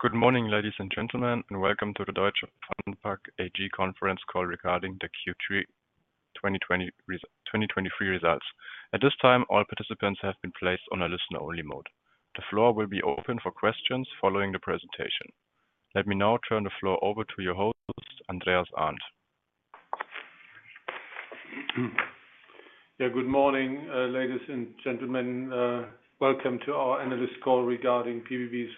Good morning, ladies and gentlemen, and welcome to the Deutsche Pfandbriefbank AG conference call regarding the third quarter 2023 results. At this time, all participants have been placed on a listen-only mode. The floor will be open for questions following the presentation. Let me now turn the floor over to your host, Andreas Arndt. Yeah, good morning, ladies and gentlemen, welcome to our analyst call regarding PBB's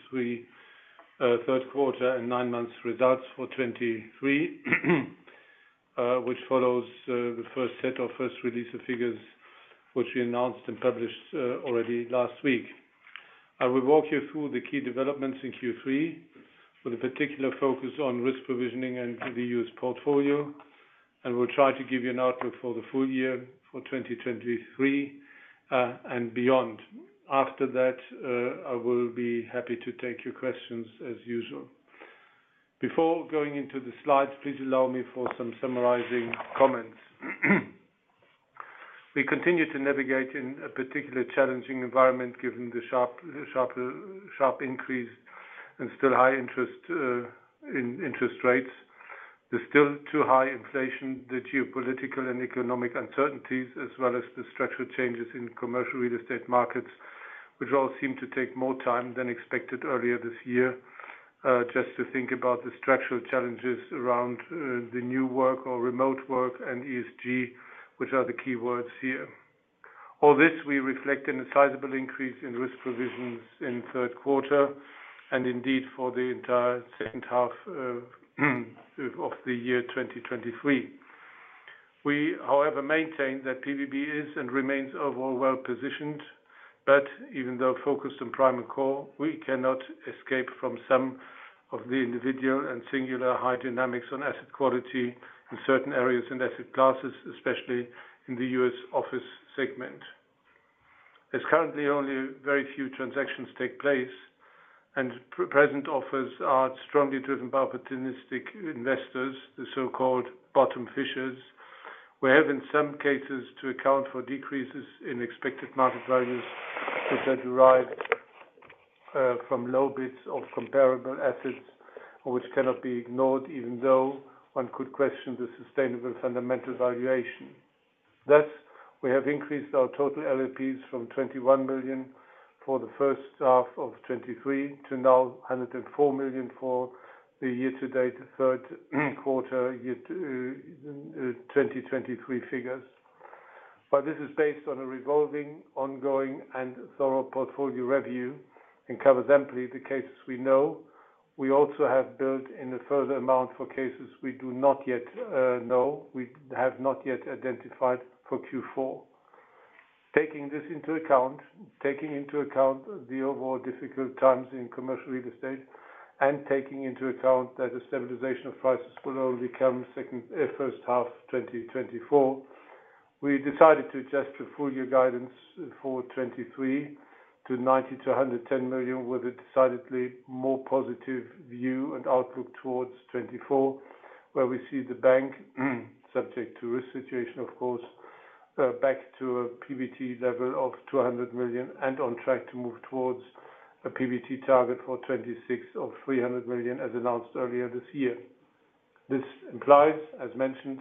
third quarter and nine months results for 2023, which follows the first set or first release of figures, which we announced and published already last week. I will walk you through the key developments in third quarter with a particular focus on risk provisioning and the US portfolio, and we'll try to give you an outlook for the full year for 2023 and beyond. After that, I will be happy to take your questions as usual. Before going into the slides, please allow me for some summarizing comments. We continue to navigate in a particularly challenging environment, given the sharp increase and still high interest rates. There's still too high inflation, the geopolitical and economic uncertainties, as well as the structural changes in commercial real estate markets, which all seem to take more time than expected earlier this year. Just to think about the structural challenges around the new work or remote work and ESG, which are the key words here. All this we reflect in a sizable increase in risk provisions in the third quarter, and indeed for the entire second half of the year 2023. We, however, maintain that PBB is and remains overall well-positioned, but even though focused on prime and core, we cannot escape from some of the individual and singular high dynamics on asset quality in certain areas and asset classes, especially in the US office segment. As currently, only very few transactions take place, and present offers are strongly driven by opportunistic investors, the so-called bottom fishers. We have, in some cases, to account for decreases in expected market values that are derived from low bids of comparable assets, which cannot be ignored, even though one could question the sustainable fundamental valuation. Thus, we have increased our total LLPs from 21 million for the first half of 2023 to now 104 million for the year-to-date, third quarter year to 2023 figures. But this is based on a revolving, ongoing, and thorough portfolio review, and covers amply the cases we know. We also have built in a further amount for cases we do not yet know, we have not yet identified for fourth quarter. Taking this into account, taking into account the overall difficult times in commercial real estate, and taking into account that the stabilization of prices will only come second, first half 2024, we decided to adjust the full year guidance for 2023 to 90 to 110 million, with a decidedly more positive view and outlook towards 2024, where we see the bank, subject to risk situation, of course, back to a PBT level of 200 million, and on track to move towards a PBT target for 2026 or 300 million, as announced earlier this year. This implies, as mentioned,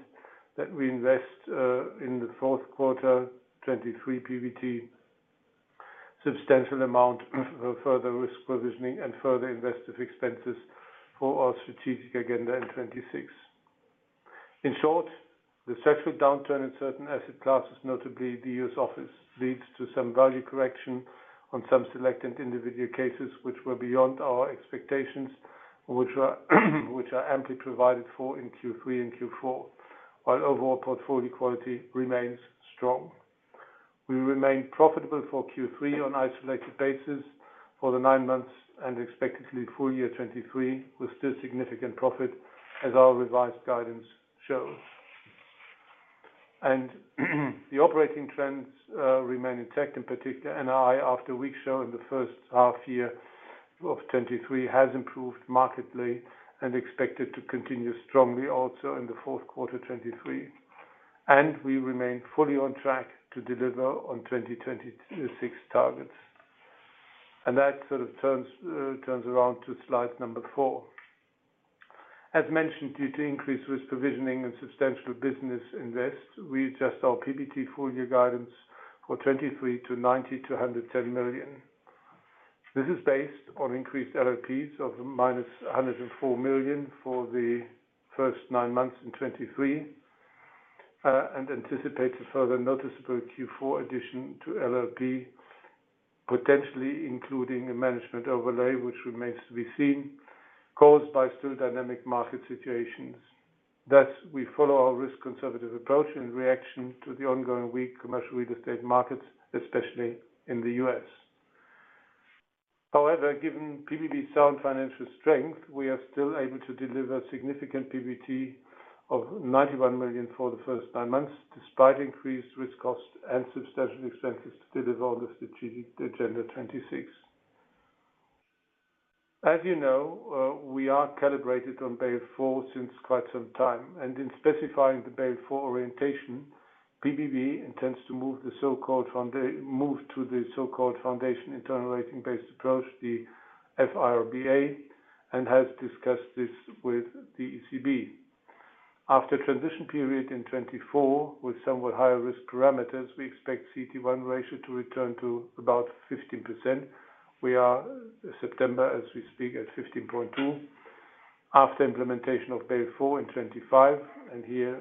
that we invest, in the fourth quarter 2023 PBT, substantial amount of further risk provisioning and further invested expenses for our strategic agenda in 2026. In short, the structural downturn in certain asset classes, notably the US office, leads to some value correction on some selected individual cases, which were beyond our expectations, which are, which are amply provided for in third quarter and fourth quarter. While overall portfolio quality remains strong. We remain profitable for third quarter on isolated basis for the nine months and expectedly full year 2023, with still significant profit, as our revised guidance shows. The operating trends remain intact, in particular, NII, after weak show in the first half year of 2023, has improved markedly and expected to continue strongly also in the fourth quarter, 2023. We remain fully on track to deliver on 2026 targets. That sort of turns around to slide number four. As mentioned, due to increased risk provisioning and substantial business invest, we adjust our PBT full year guidance for 2023 to 90 to 110 million. This is based on increased LLPs of negative 104 million for the first nine months in 2023 and anticipate a further noticeable fourth quarter addition to LLP, potentially including a management overlay, which remains to be seen, caused by still dynamic market situations. Thus, we follow our risk conservative approach in reaction to the ongoing weak commercial real estate markets, especially in the US However, given PBB sound financial strength, we are still able to deliver significant PBT of 91 million for the first nine months, despite increased risk costs and substantial expenses to deliver on the Strategic Agenda 2026. As you know, we are calibrated on Basel IV since quite some time, and in specifying the Basel IV orientation, PBB intends to move to the so-called foundation internal rating-based approach, the F-IRBA, and has discussed this with the ECB. After transition period in 2024, with somewhat higher risk parameters, we expect CET1 ratio to return to about 15%. We are in September, as we speak, at 15.2%. After implementation of Basel IV in 2025, and here,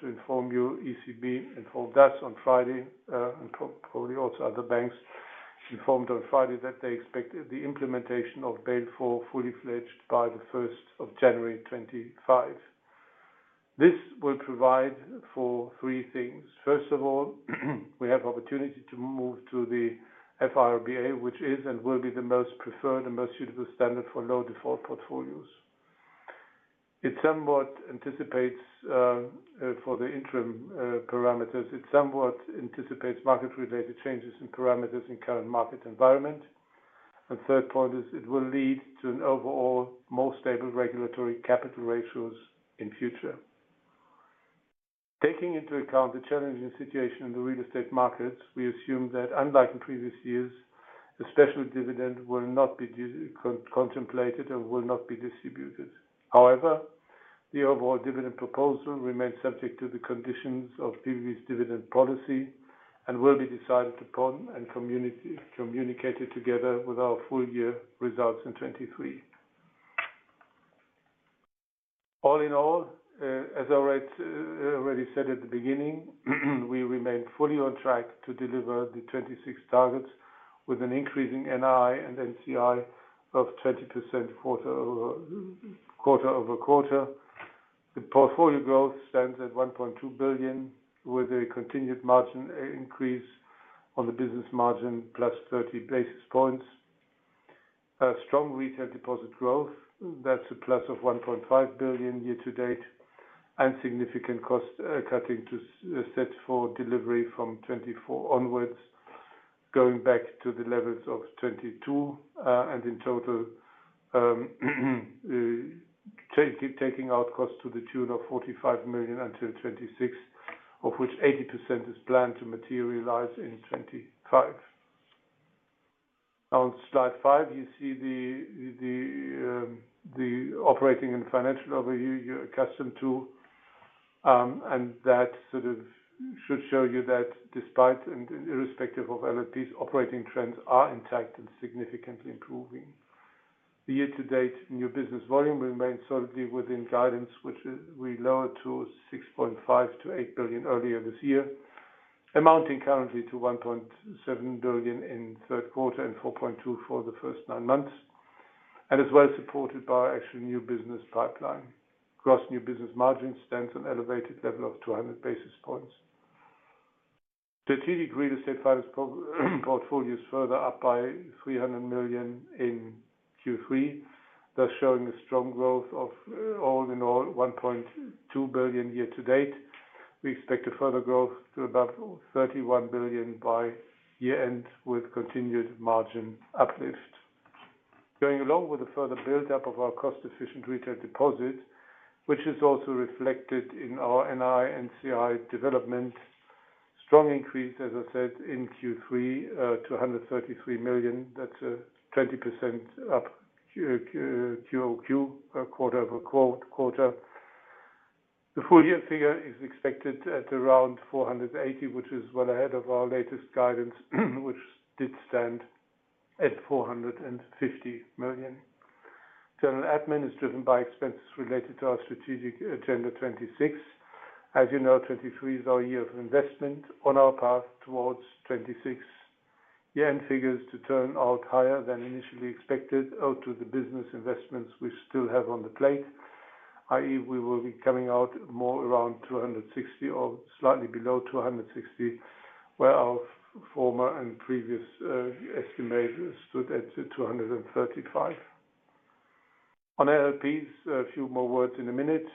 to inform you, ECB informed us on Friday, and probably also other banks, informed on Friday that they expected the implementation of Basel IV fully-fledged by 1 January 2025. This will provide for three things. First of all, we have opportunity to move to the F-IRBA, which is and will be the most preferred and most suitable standard for low default portfolios. It somewhat anticipates, for the interim, parameters. It somewhat anticipates market-related changes in parameters in current market environment. And third point is, it will lead to an overall more stable regulatory capital ratios in future. Taking into account the challenging situation in the real estate markets, we assume that unlike in previous years, the special dividend will not be contemplated and will not be distributed. However, the overall dividend proposal remains subject to the conditions of PBB's dividend policy and will be decided upon and communicated together with our full year results in 2023. All in all, as I already, already said at the beginning, we remain fully on track to deliver the 2026 targets with an increasing NI and NCI of 20% quarter-over-quarter. The portfolio growth stands at 1.2 billion, with a continued margin increase on the business margin, plus 30 basis points. A strong retail deposit growth, that's a plus of 1.5 billion year to date, and significant cost cutting to set for delivery from 2024 onwards, going back to the levels of 2022. And in total, taking out costs to the tune of 45 million until 2026, of which 80% is planned to materialize in 2025. On slide five, you see the operating and financial overview you're accustomed to. And that sort of should show you that despite and irrespective of LLPs, operating trends are intact and significantly improving. The year-to-date new business volume remains solidly within guidance, which we lowered to 6.5 to 8 billion earlier this year, amounting currently to 1.7 billion in third quarter and 4.2 billion for the first nine months, and as well supported by our actual new business pipeline. Gross new business margin stands at an elevated level of 200 basis points. The green estate finance portfolios further up by 300 million in third quarter, thus showing a strong growth of, all in all, 1.2 billion year to date. We expect a further growth to about 31 billion by year-end, with continued margin uplift. Going along with the further build-up of our cost-efficient retail deposit, which is also reflected in our NII and NCI development. Strong increase, as I said, in third quarter, to 133 million. That's 20% up QoQ, quarter over quarter. The full-year figure is expected at around 480 million, which is well ahead of our latest guidance, which did stand at 450 million. General admin is driven by expenses related to our Strategic Agenda 2026. As you know, 2023 is our year of investment on our path towards 2026. Year-end figures to turn out higher than initially expected, due to the business investments we still have on the plate, i.e., we will be coming out more around 260 or slightly below 260, where our former and previous estimates stood at 235. On LLPs, a few more words in a minute.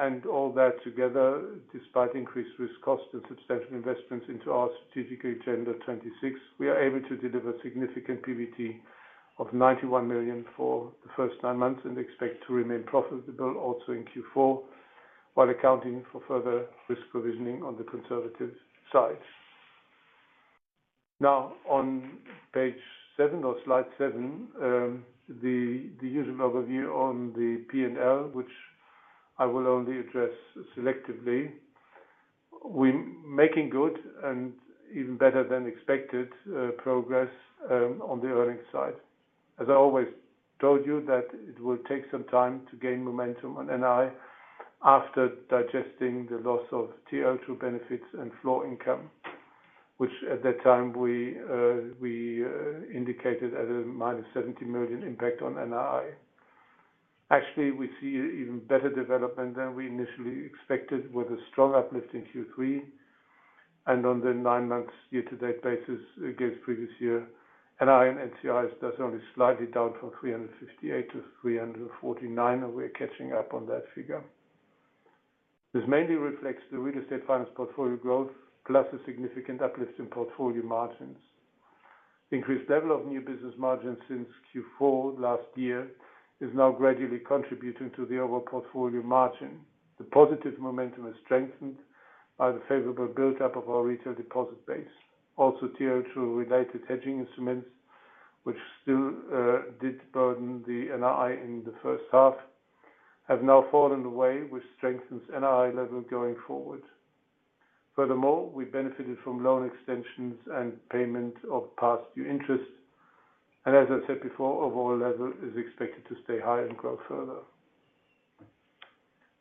and all that together, despite increased risk costs and substantial investments into our Strategic Agenda 2026, we are able to deliver significant PBT of 91 million for the first nine months and expect to remain profitable also in fourth quarter, while accounting for further risk provisioning on the conservative side. Now, on page seven or slide seven, the usual overview on the P&L, which I will only address selectively. We are making good and even better than expected progress on the earnings side. As I always told you, that it will take some time to gain momentum on NII after digesting the loss of TLTRO benefits and floor income, which at that time we indicated as a negative 70 million impact on NII. Actually, we see even better development than we initially expected, with a strong uplift in third quarter and on the nine months year-to-date basis against previous year, NII and NCIs, that's only slightly down from 358 to 349, and we're catching up on that figure. This mainly reflects the Real Estate Finance portfolio growth, plus a significant uplift in portfolio margins. Increased level of new business margins since fourth quarter last year is now gradually contributing to the overall portfolio margin. The positive momentum is strengthened by the favorable build-up of our retail deposit base. Also, Tier 2 related hedging instruments, which still did burden the NII in the first half, have now fallen away, which strengthens NII level going forward. Furthermore, we benefited from loan extensions and payment of past due interest, and as I said before, overall level is expected to stay high and grow further.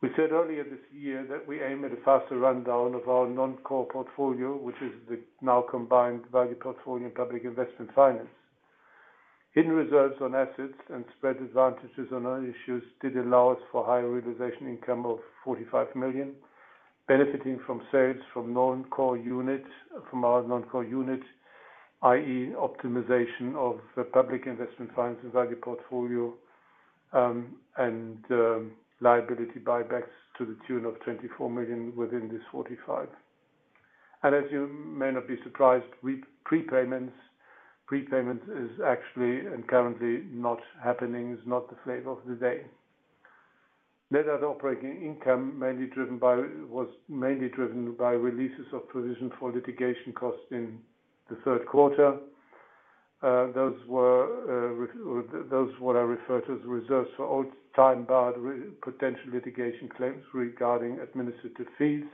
We said earlier this year that we aim at a faster rundown of our non-core portfolio, which is the now combined Value Portfolio and Public Investment Finance. Hidden reserves on assets and spread advantages on other issues did allow us for higher realization income of 45 million, benefiting from sales from non-core unit, from our non-core unit, i.e., optimization of the Public Investment Finance and Value Portfolio, liability buybacks to the tune of 24 million within this 45. And as you may not be surprised, prepayments is actually and currently not happening, is not the flavor of the day. Net operating income was mainly driven by releases of provision for litigation costs in the third quarter. Those were what are referred to as reserves for old time-barred potential litigation claims regarding administrative fees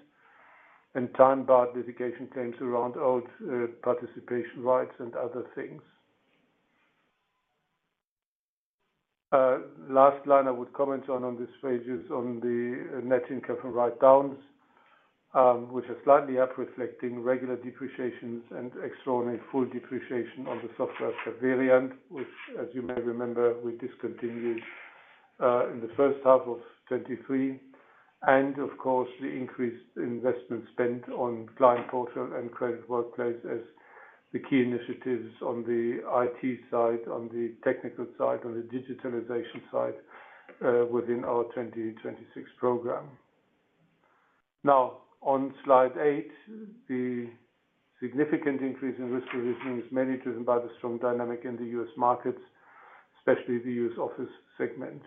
and time-barred litigation claims around old, participation rights and other things. Last line I would comment on, on this page is on the net income from write-downs, which are slightly up, reflecting regular depreciations and extraordinary full depreciation on the Capveriant, which, as you may remember, we discontinued in the first half of 2023. And of course, the increased investment spend on Client Portal and Credit Workplace as the key initiatives on the IT side, on the technical side, on the digitalization side, within our 2026 program. Now, on Slide eight, the significant increase in risk revision is mainly driven by the strong dynamic in the US markets, especially the US office segment.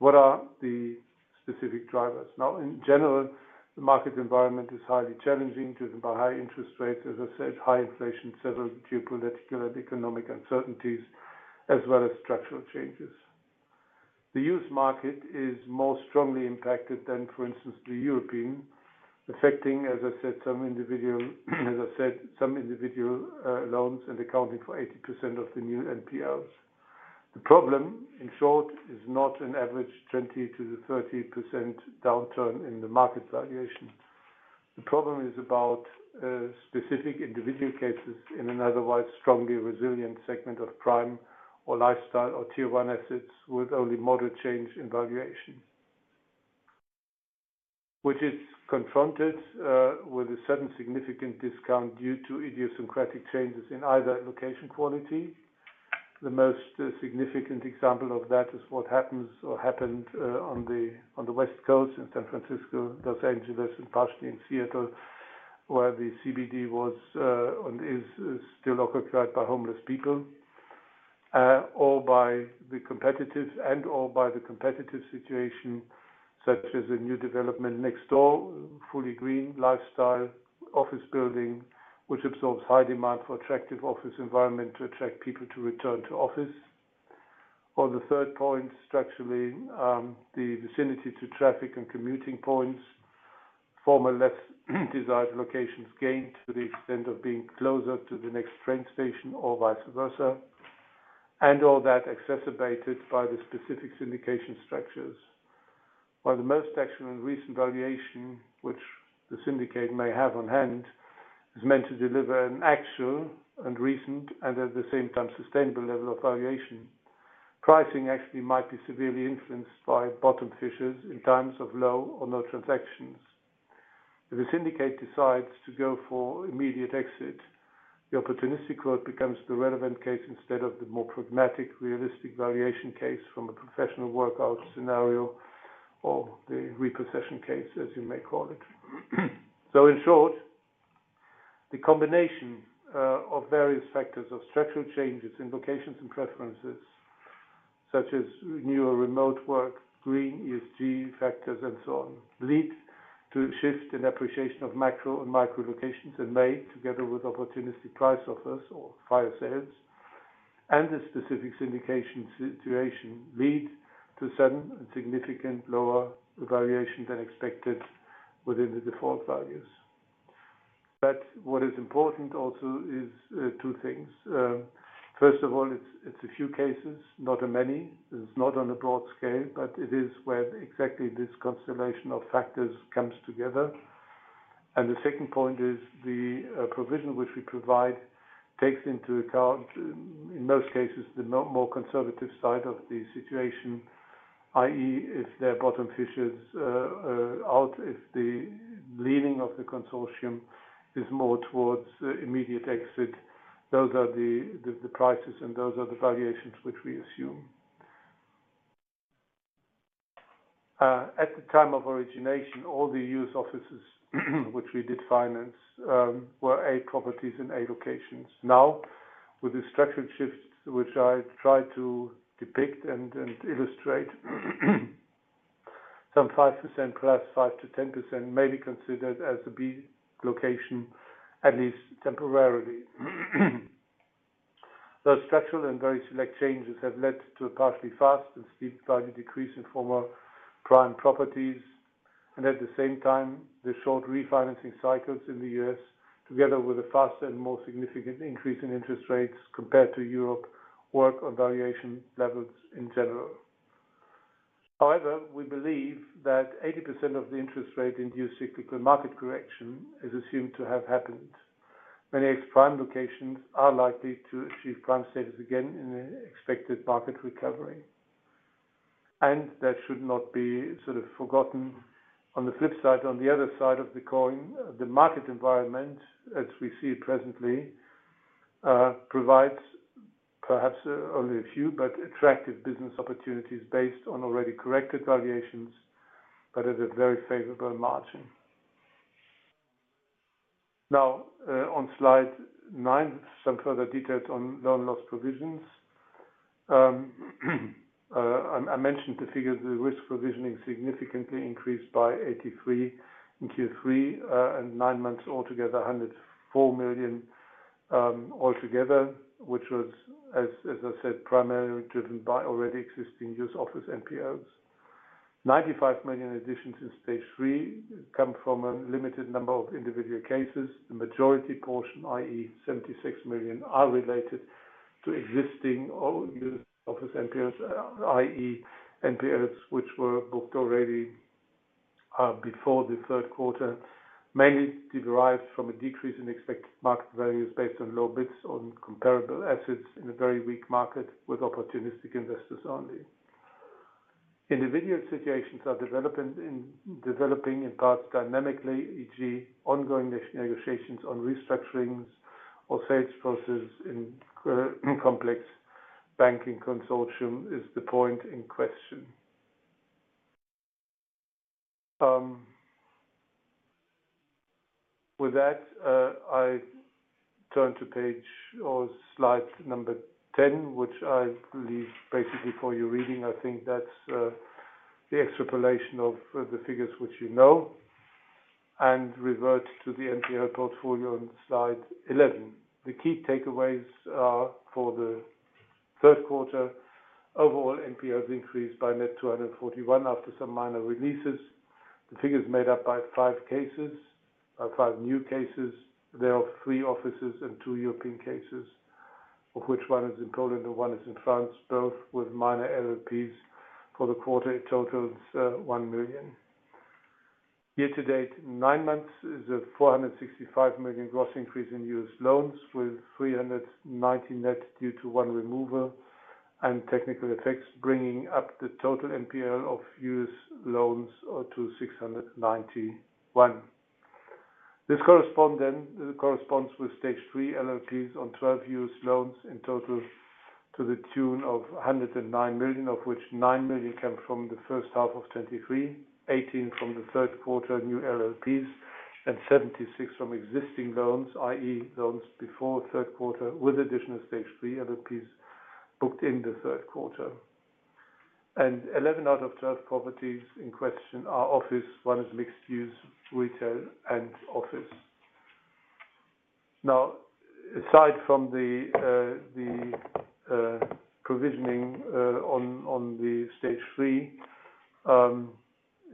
What are the specific drivers? Now, in general, the market environment is highly challenging, driven by high interest rates, as I said, high inflation, several geopolitical and economic uncertainties, as well as structural changes. The US market is more strongly impacted than, for instance, the European, affecting, as I said, some individual loans and accounting for 80% of the new NPLs. The problem, in short, is not an average 20% to 30% downturn in the market valuation. The problem is about specific individual cases in an otherwise strongly resilient segment of prime or lifestyle or Tier one assets, with only moderate change in valuation. Which is confronted with a sudden significant discount due to idiosyncratic changes in either location quality. The most significant example of that is what happens or happened on the West Coast in San Francisco, Los Angeles, and partially in Seattle, where the CBD was on is is still occupied by homeless people or by the competitive and / or by the competitive situation, such as a new development next door, fully green lifestyle office building, which absorbs high demand for attractive office environment to attract people to return to office. On the third point, structurally, the vicinity to traffic and commuting points, former less desired locations gained to the extent of being closer to the next train station or vice versa, and all that exacerbated by the specific syndication structures. While the most actual and recent valuation, which the syndicate may have on hand, is meant to deliver an actual and recent and at the same time sustainable level of valuation. Pricing actually might be severely influenced by bottom fissures in times of low or no transactions. If a syndicate decides to go for immediate exit, the opportunistic route becomes the relevant case instead of the more pragmatic, realistic valuation case from a professional workout scenario or the repossession case, as you may call it. So in short, the combination of various factors of structural changes in locations and preferences, such as newer remote work, green ESG factors, and so on, lead to a shift in appreciation of macro and micro locations and may, together with opportunistic price offers or fire sales and the specific syndication situation, lead to sudden and significant lower valuation than expected within the default values. But what is important also is two things. First of all, it's, it's a few cases, not a many. It's not on a broad scale, but it is where exactly this constellation of factors comes together. The second point is the provision which we provide takes into account, in most cases, the more conservative side of the situation, i.e., if there are bottom fishers, if the leaning of the consortium is more towards immediate exit, those are the prices and those are the valuations which we assume. At the time of origination, all the US offices, which we did finance, were A properties in A locations. Now, with the structural shifts which I tried to depict and illustrate, some 5% plus 5% to 10% may be considered as a B location, at least temporarily. Those structural and very select changes have led to a partially fast and steep value decrease in former prime properties, and at the same time, the short refinancing cycles in the US, together with a faster and more significant increase in interest rates compared to Europe, work on valuation levels in general. However, we believe that 80% of the interest rate-induced cyclical market correction is assumed to have happened. Many ex-prime locations are likely to achieve prime status again in an expected market recovery. And that should not be sort of forgotten. On the flip side, on the other side of the coin, the market environment, as we see it presently, provides perhaps only a few, but attractive business opportunities based on already corrected valuations, but at a very favorable margin. Now, on slide nine, some further details on loan loss provisions. I mentioned the figures, the risk provisioning significantly increased by 83 million in third quarter and nine months, altogether 104 million, altogether. Which was, as I said, primarily driven by already existing US office NPLs. 95 million additions in Stage Three come from a limited number of individual cases. The majority portion, i.e., 76 million, are related to existing old office NPLs, i.e., NPLs, which were booked already before the third quarter, mainly derived from a decrease in expected market values based on low bids on comparable assets in a very weak market with opportunistic investors only. Individual situations are developing in parts dynamically, e.g., ongoing negotiations on restructurings or sales forces in complex banking consortium is the point in question. With that, I turn to page or slide number 10, which I leave basically for you reading. I think that's the extrapolation of the figures which you know and revert to the NPL portfolio on slide 11. The key takeaways are for the third quarter. Overall, NPL has increased by net 241 million after some minor releases. The figure is made up by five cases, five new cases. There are three offices and three European cases, of which one is in Poland, and one is in France, both with minor LLPs. For the quarter, it totals 1 million. Year to date, nine months is a $465 million gross increase in US loans, with $390 million net due to one removal and technical effects, bringing up the total NPL of US loans to $691 million. This corresponds with Stage Three LLPs on 12 US loans in total, to the tune of $109 million, of which $9 million came from the first half of 2023, $18 million from the third quarter new LLPs, and $76 million from existing loans, i.e., loans before third quarter, with additional Stage Three LLPs booked in the third quarter. And 11 out of 12 properties in question are office, one is mixed use, retail, and office. Now, aside from the provisioning on the Stage Three,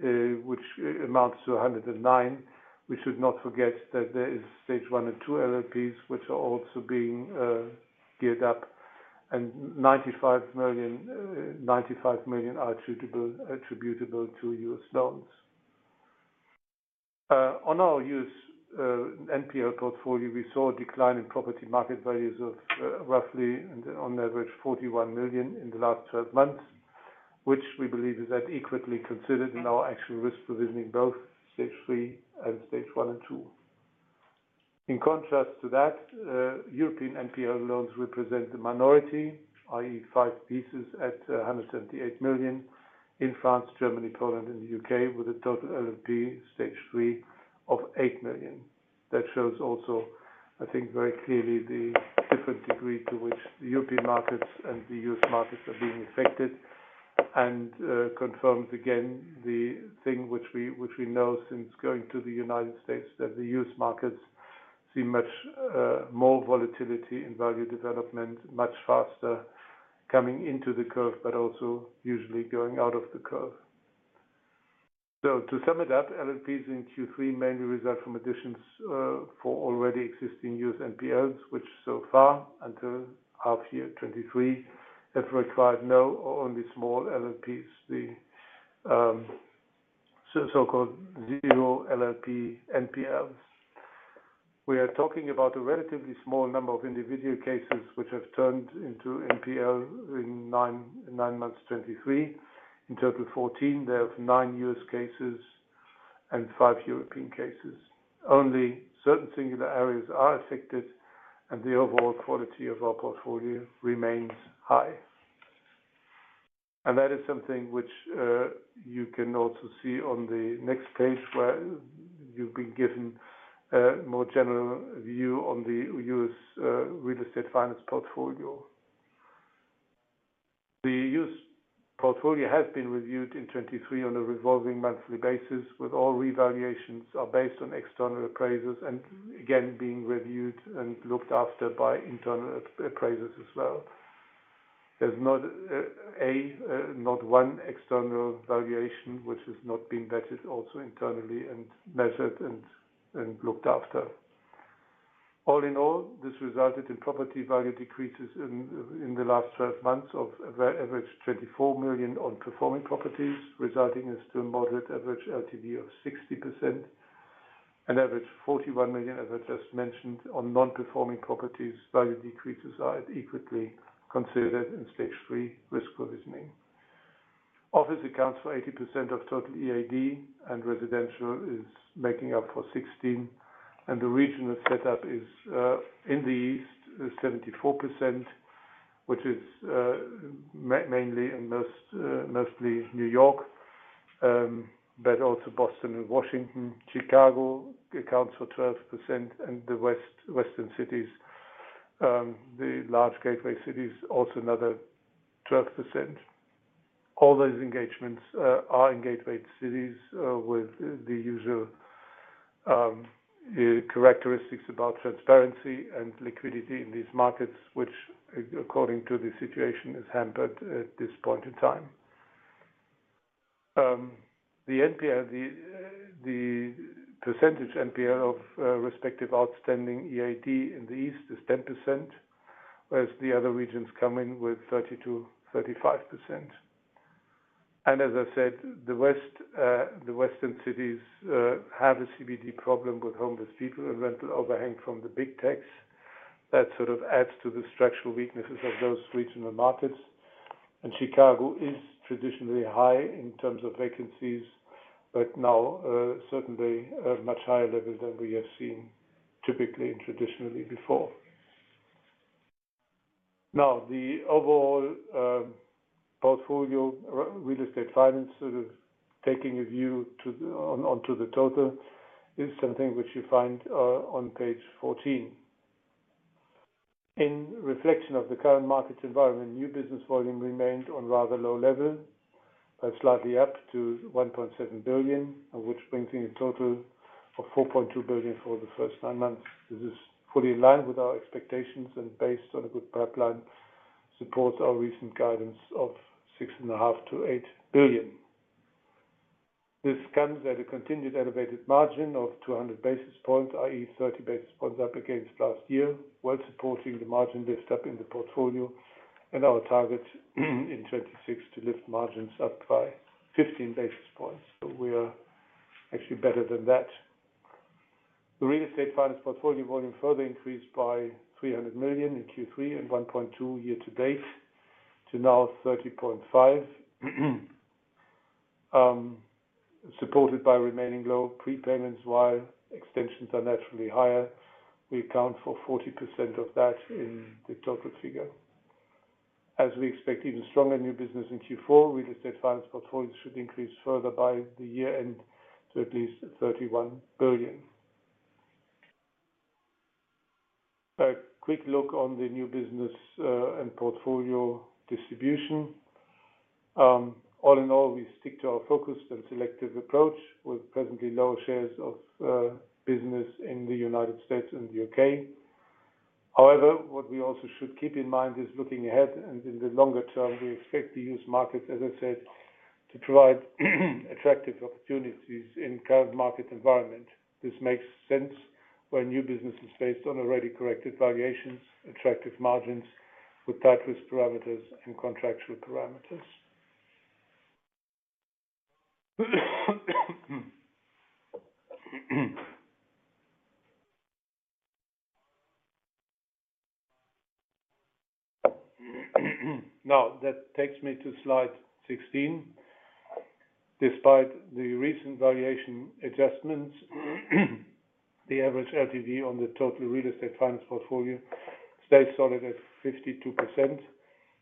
which amounts to $109 million, we should not forget that there is Stage One and Two LLPs, which are also being geared up, and $95 million are attributable to US loans. On our US NPL portfolio, we saw a decline in property market values of, roughly on average, $41 million in the last 12 months, which we believe is adequately considered in our actual risk provisioning, both Stage Three and Stage One and Two. In contrast to that, European NPL loans represent the minority, i.e., five pieces at 178 million in France, Germany, Poland, and the UK, with a total LLP Stage Three of 8 million. That shows also, I think, very clearly, the different degree to which the European markets and the US markets are being affected, and confirms again, the thing which we know since going to the United States, that the US markets see much more volatility in value development, much faster coming into the curve, but also usually going out of the curve. So to sum it up, LLPs in third quarter mainly result from additions for already existing US NPLs, which so far, until half year 2023, have required no or only small LLPs, the so-called zero LLP NPLs. We are talking about a relatively small number of individual cases which have turned into NPL in nine months 2023. In total, 14, there are nine US cases and five European cases. Only certain singular areas are affected, and the overall quality of our portfolio remains high. And that is something which you can also see on the next page, where you've been given a more general view on the US Real Estate Finance portfolio. The US portfolio has been reviewed in 2023 on a revolving monthly basis, with all revaluations are based on external appraisers, and again, being reviewed and looked after by internal appraisers as well. There's not one external valuation, which has not been vetted also internally and measured and looked after. All in all, this resulted in property value decreases in the last 12 months of average 24 million on performing properties, resulting in still moderate average LTV of 60%. An average 41 million, as I just mentioned, on non-performing properties, value decreases are equally considered in Stage Three risk provisioning. Office accounts for 80% of total EAD, and residential is making up for 16%, and the regional setup is in the East, 74%, which is mainly in most mostly New York, but also Boston and Washington. Chicago accounts for 12%, and the Western cities, the large gateway cities, also another 12%. All those engagements are in gateway cities with the usual characteristics about transparency and liquidity in these markets, which according to the situation, is hampered at this point in time. The NPL, the percentage NPL of respective outstanding EAD in the East is 10%, whereas the other regions come in with 30% to 35%. And as I said, the West, the Western cities have a CBD problem with homeless people and rental overhang from the big techs. That sort of adds to the structural weaknesses of those regional markets. And Chicago is traditionally high in terms of vacancies, but now certainly at a much higher level than we have seen typically and traditionally before. Now, the overall portfolio Real Estate Finance, sort of taking a view to, on, onto the total, is something which you find on page 14. In reflection of the current market environment, new business volume remained on rather low level, but slightly up to 1.7 billion, which brings in a total of 4.2 billion for the first nine months. This is fully in line with our expectations and based on a good pipeline, supports our recent guidance of 6.5 to 8 billion. This comes at a continued elevated margin of 200 basis points, i.e., 30 basis points up against last year, while supporting the margin lift up in the portfolio and our target in 2026 to lift margins up by 15 basis points. So we are actually better than that. The Real Estate Finance portfolio volume further increased by 300 million in third quarter and 1.2 billion year to date, to now 30.5 billion. Supported by remaining low prepayments, while extensions are naturally higher, we account for 40% of that in the total figure. As we expect even stronger new business in fourth quarter, Real Estate Finance portfolios should increase further by the year-end to at least 31 billion. A quick look on the new business and portfolio distribution. All in all, we stick to our focused and selective approach, with presently low shares of business in the United States and the UK However, what we also should keep in mind is looking ahead, and in the longer term, we expect the US market, as I said, to provide attractive opportunities in current market environment. This makes sense where new business is based on already corrected valuations, attractive margins with tight risk parameters and contractual parameters. Now, that takes me to slide 16. Despite the recent valuation adjustments, the average LTV on the total Real Estate Finance portfolio stays solid at 52%,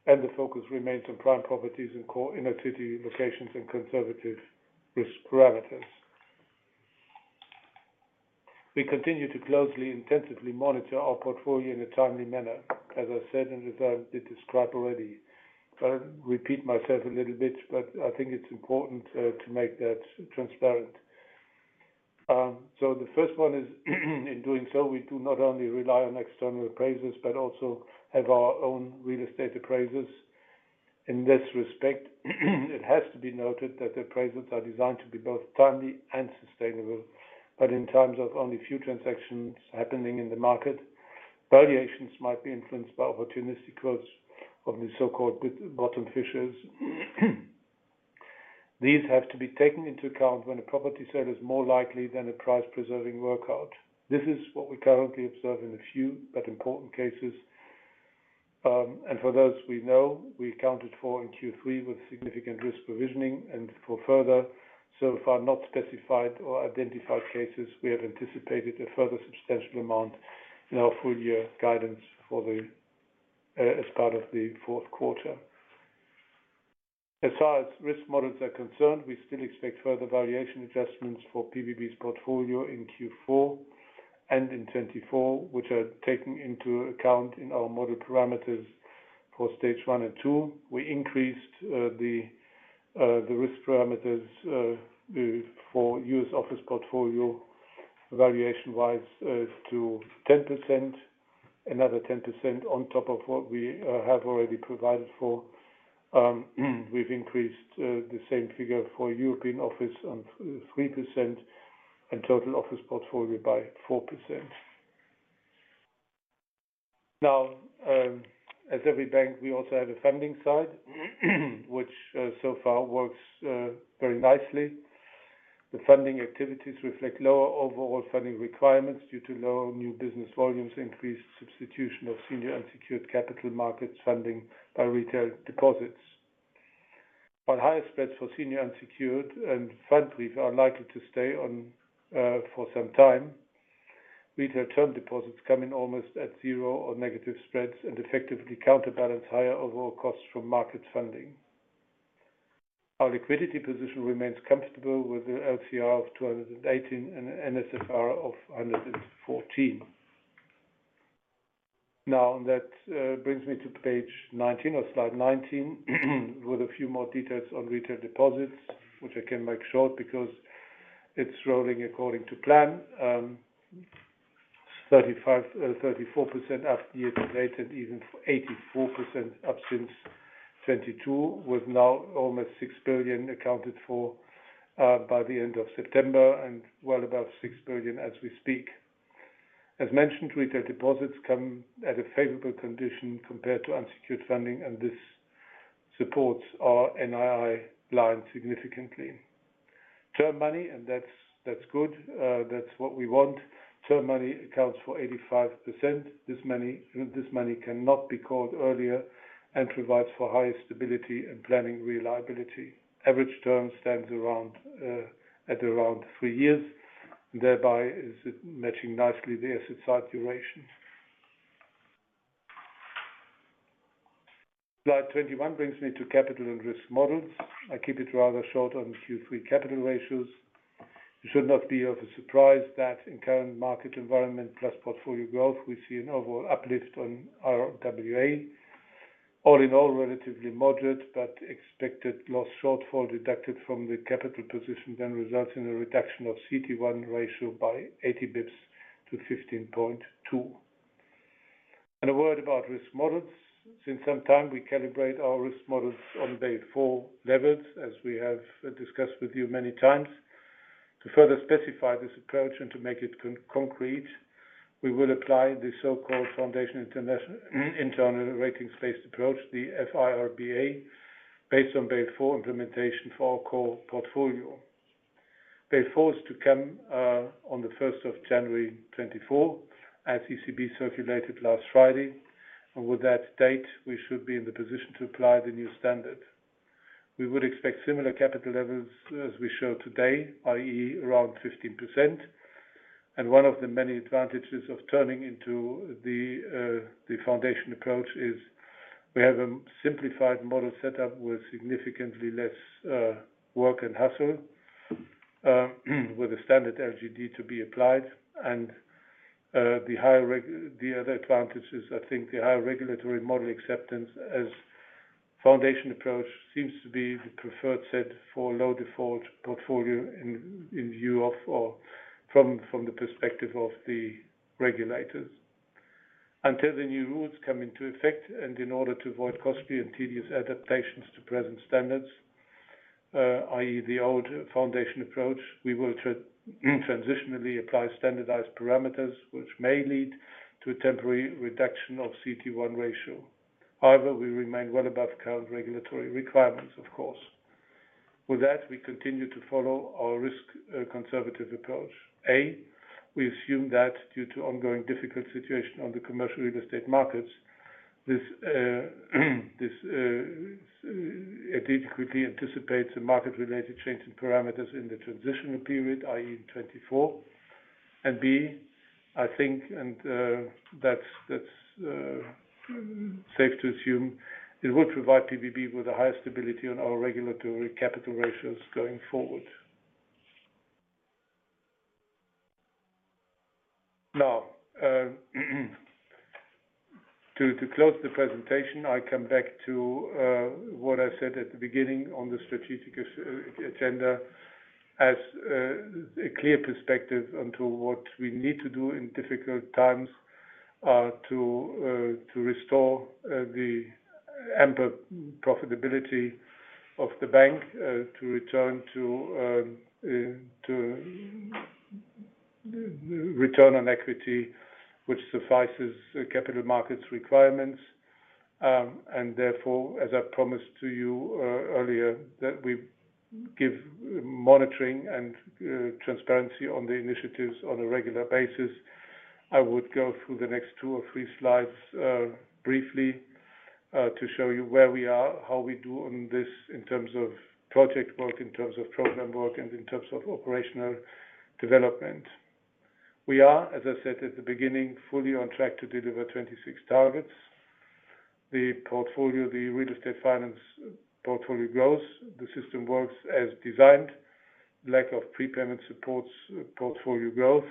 and the focus remains on prime properties in core inner city locations and conservative risk parameters. We continue to closely, intensively monitor our portfolio in a timely manner, as I said, and as I described already. So, I'll repeat myself a little bit, but I think it's important to make that transparent. So, the first one is, in doing so, we do not only rely on external appraisers but also have our own real estate appraisers. In this respect, it has to be noted that the appraisers are designed to be both timely and sustainable, but in times of only a few transactions happening in the market, valuations might be influenced by opportunistic quotes of the so-called bottom fishers. These have to be taken into account when a property sale is more likely than a price-preserving workout. This is what we currently observe in a few but important cases. And for those we know, we accounted for in third quarter with significant risk provisioning and for further, so far not specified or identified cases, we have anticipated a further substantial amount in our full year guidance for the, as part of the fourth quarter. As far as risk models are concerned, we still expect further valuation adjustments for PBB's portfolio in fourth quarter and in 2024, which are taken into account in our model parameters for stage one and two. We increased the risk parameters for US office portfolio valuation-wise to 10%, another 10% on top of what we have already provided for. We've increased the same figure for European office on 3% and total office portfolio by 4%. Now, as every bank, we also have a funding side, which so far works very nicely. The funding activities reflect lower overall funding requirements due to lower new business volumes, increased substitution of senior unsecured capital markets funding by retail deposits. But higher spreads for senior unsecured and Pfandbriefe are likely to stay on for some time. Retail term deposits come in almost at zero or negative spreads and effectively counterbalance higher overall costs from market funding. Our liquidity position remains comfortable with the LCR of 218% and NSFR of 114%. Now, that brings me to page 19 or slide 19, with a few more details on retail deposits, which I can make short because it's rolling according to plan. 35, 34% up year-to-date, and even 84% up since 2022, with now almost 6 billion accounted for by the end of September and well above 6 billion as we speak. As mentioned, retail deposits come at a favorable condition compared to unsecured funding, and this supports our NII line significantly. Term money, and that's, that's good, that's what we want. Term money accounts for 85%. This money, this money cannot be called earlier and provides for higher stability and planning reliability. Average term stands around at around three years, thereby is matching nicely the asset side duration. Slide 21 brings me to capital and risk models. I keep it rather short on third quarter capital ratios. It should not be of a surprise that in current market environment plus portfolio growth, we see an overall uplift on our RWA. All in all, relatively moderate, but expected loss shortfall deducted from the capital position then results in a reduction of CET1 ratio by 80 basis points to 15.2. And a word about risk models. Since some time, we calibrate our risk models on Basel IV levels, as we have discussed with you many times. To further specify this approach and to make it concrete, we will apply the so-called Foundation Internal Rating-Based Approach, the F-IRBA, based on Base IV implementation for our core portfolio. Base IV is to come on the first of January 2024, as ECB circulated last Friday, and with that date, we should be in the position to apply the new standard. We would expect similar capital levels as we show today, i.e., around 15%. And one of the many advantages of turning into the foundation approach is we have a simplified model set up with significantly less work and hassle, with a standard LGD to be applied. The other advantage is, I think, the higher regulatory model acceptance as foundation approach seems to be the preferred set for low default portfolio in view of or from the perspective of the regulators. Until the new rules come into effect, and in order to avoid costly and tedious adaptations to present standards, i.e., the old foundation approach, we will transitionally apply standardized parameters, which may lead to a temporary reduction of CET1 ratio. However, we remain well above current regulatory requirements, of course. With that, we continue to follow our risk conservative approach. We assume that due to ongoing difficult situation on the commercial real estate markets, this adequately anticipates a market-related change in parameters in the transitional period, i.e., in 2024. I think that's safe to assume it would provide PBB with a higher stability on our regulatory capital ratios going forward. Now, to close the presentation, I come back to what I said at the beginning on the strategic agenda as a clear perspective onto what we need to do in difficult times to restore the ample profitability of the bank to return on equity which suffices capital markets requirements. And therefore, as I promised to you earlier, that we give monitoring and transparency on the initiatives on a regular basis. I would go through the next two or three slides briefly to show you where we are, how we do on this in terms of project work, in terms of program work, and in terms of operational development. We are, as I said at the beginning, fully on track to deliver 26 targets. The portfolio, the Real Estate Finance portfolio growth, the system works as designed. Lack of prepayment supports portfolio growth.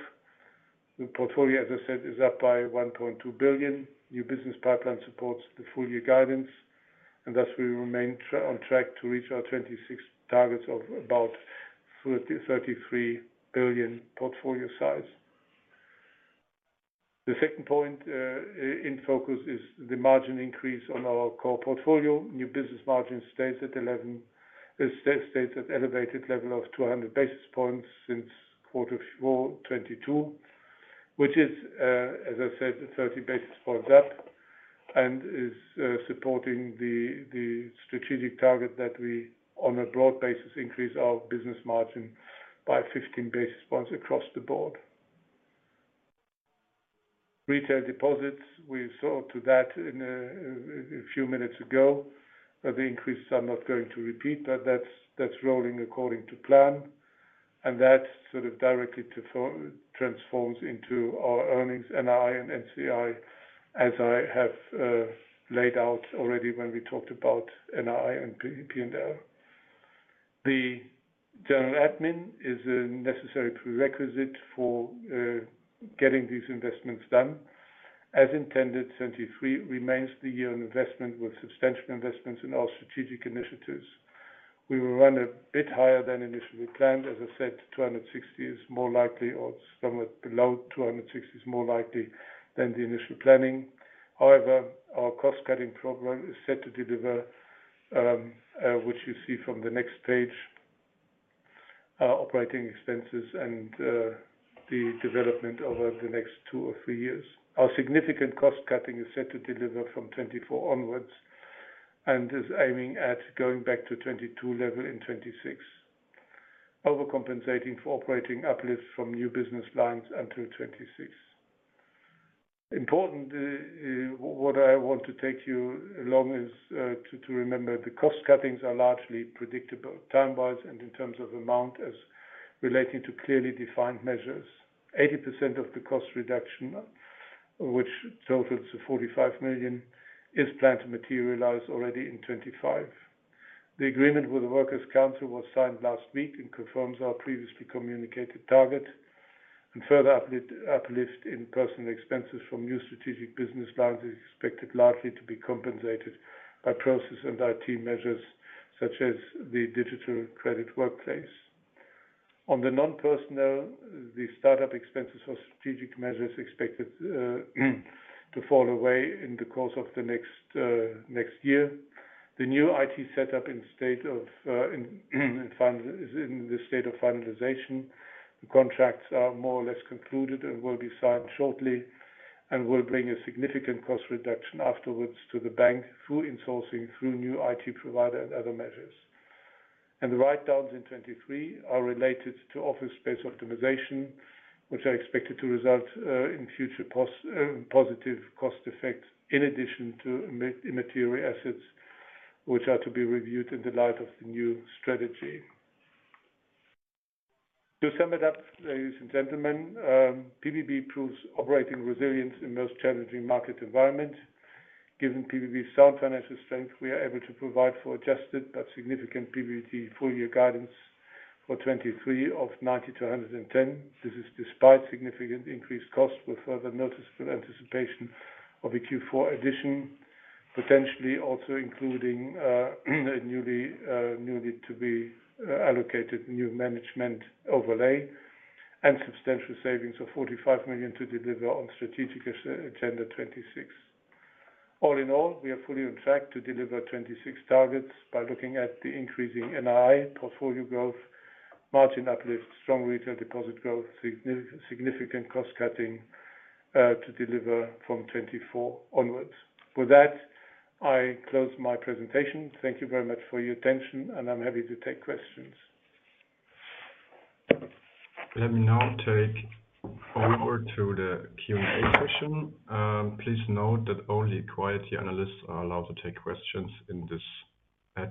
The portfolio, as I said, is up by 1.2 billion. New business pipeline supports the full year guidance, and thus we remain on track to reach our 26 targets of about 30 to 33 billion portfolio size. The second point in focus is the margin increase on our core portfolio. New business margin stays at 11, stays at elevated level of 200 basis points since quarter four 2022, which is, as I said, 30 basis points up and is supporting the, the strategic target that we, on a broad basis, increase our business margin by 15 basis points across the board. Retail deposits, we saw that a few minutes ago, but the increases I'm not going to repeat, but that's rolling according to plan, and that sort of directly transforms into our earnings, NII and NCI, as I have laid out already when we talked about NII and P&L. The general admin is a necessary prerequisite for getting these investments done. As intended, 2023 remains the year of investment, with substantial investments in our strategic initiatives. We will run a bit higher than initially planned. As I said, 260 is more likely, or somewhat below 260 is more likely than the initial planning. However, our cost-cutting program is set to deliver, which you see from the next page, our operating expenses and, the development over the next two or three years. Our significant cost cutting is set to deliver from 2024 onwards and is aiming at going back to 2022 level in 2026. Overcompensating for operating uplifts from new business lines until 2026. Important, what I want to take you along is, to remember, the cost cuttings are largely predictable time-wise and in terms of amount as relating to clearly defined measures. 80% of the cost reduction, which totals to 45 million, is planned to materialize already in 2025. The agreement with the Workers' Council was signed last week and confirms our previously communicated target. Further uplift in personnel expenses from new strategic business lines is expected largely to be compensated by process and IT measures, such as the digital Credit Workplace. On the non-personnel, the start-up expenses for strategic measures expected to fall away in the course of the next year. The new IT setup is in the state of finalization. The contracts are more or less concluded and will be signed shortly, and will bring a significant cost reduction afterwards to the bank through insourcing, through new IT provider and other measures. The write-downs in 2023 are related to office space optimization, which are expected to result in future positive cost effects, in addition to immaterial assets, which are to be reviewed in the light of the new strategy. To sum it up, ladies and gentlemen, PBB proves operating resilience in most challenging market environment. Given PBB sound financial strength, we are able to provide for adjusted but significant PBT full year guidance for 2023 of 90 to 110. This is despite significant increased costs, with further noticeable anticipation of a fourth quarter addition, potentially also including a newly to be allocated new management overlay and substantial savings of 45 million to deliver on Strategic Agenda 2026. All in all, we are fully on track to deliver 26 targets by looking at the increasing NII portfolio growth, margin uplift, strong retail deposit growth, significant cost cutting, to deliver from 2024 onwards. With that, I close my presentation. Thank you very much for your attention, and I'm happy to take questions. Let me now take over to the Q&A session. Please note that only quality analysts are allowed to take questions in this...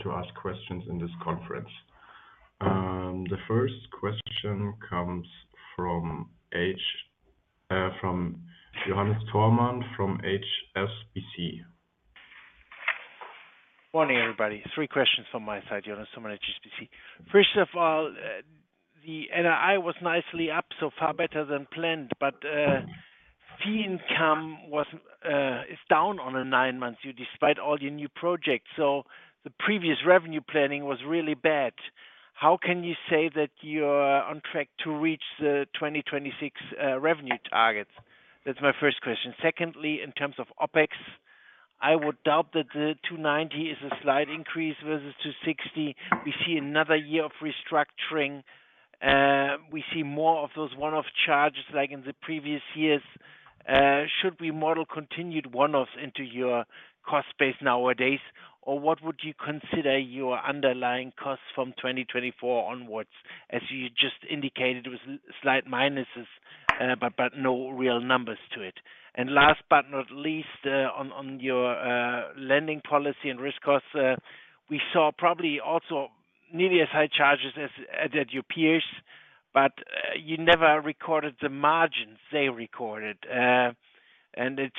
to ask questions in this conference. The first question comes from Johannes Thormann, from HSBC. Morning, everybody. Three questions from my side, Johannes Thormann, HSBC. First of all, the NII was nicely up, so far better than planned, but fee income was is down on a nine-month view, despite all your new projects. So the previous revenue planning was really bad. How can you say that you're on track to reach the 2026 revenue targets? That's my first question. Secondly, in terms of OpEx, I would doubt that the 290 is a slight increase versus 260. We see another year of restructuring. We see more of those one-off charges like in the previous years. Should we model continued one-offs into your cost base nowadays, or what would you consider your underlying costs from 2024 onwards, as you just indicated, it was slight minuses, but but no real numbers to it. Last but not least, on your lending policy and risk costs, we saw probably also nearly as high charges as at your peers, but you never recorded the margins they recorded. It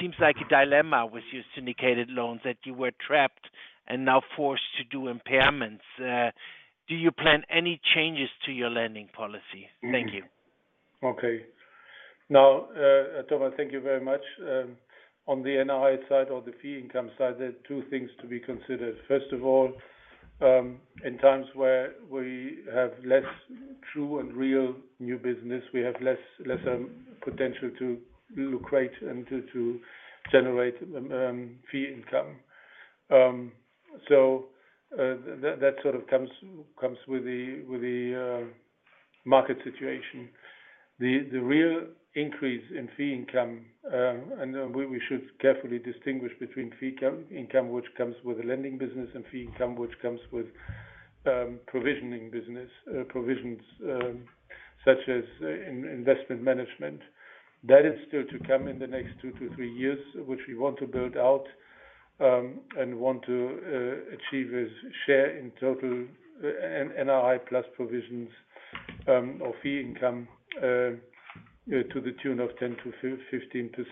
seems like a dilemma with your syndicated loans that you were trapped and now forced to do impairments. Do you plan any changes to your lending policy? Thank you. Okay. Now, Thomas, thank you very much. On the NII side or the fee income side, there are two things to be considered. First of all, in times where we have less true and real new business, we have less potential to leverage and to generate fee income. So, that sort of comes with the market situation. The real increase in fee income, and we should carefully distinguish between fee income, which comes with the lending business, and fee income, which comes with provisioning business, provisions, such as in investment management. That is still to come in the next two to three years, which we want to build out and want to achieve a share in total NII plus provisions of fee income to the tune of 10% to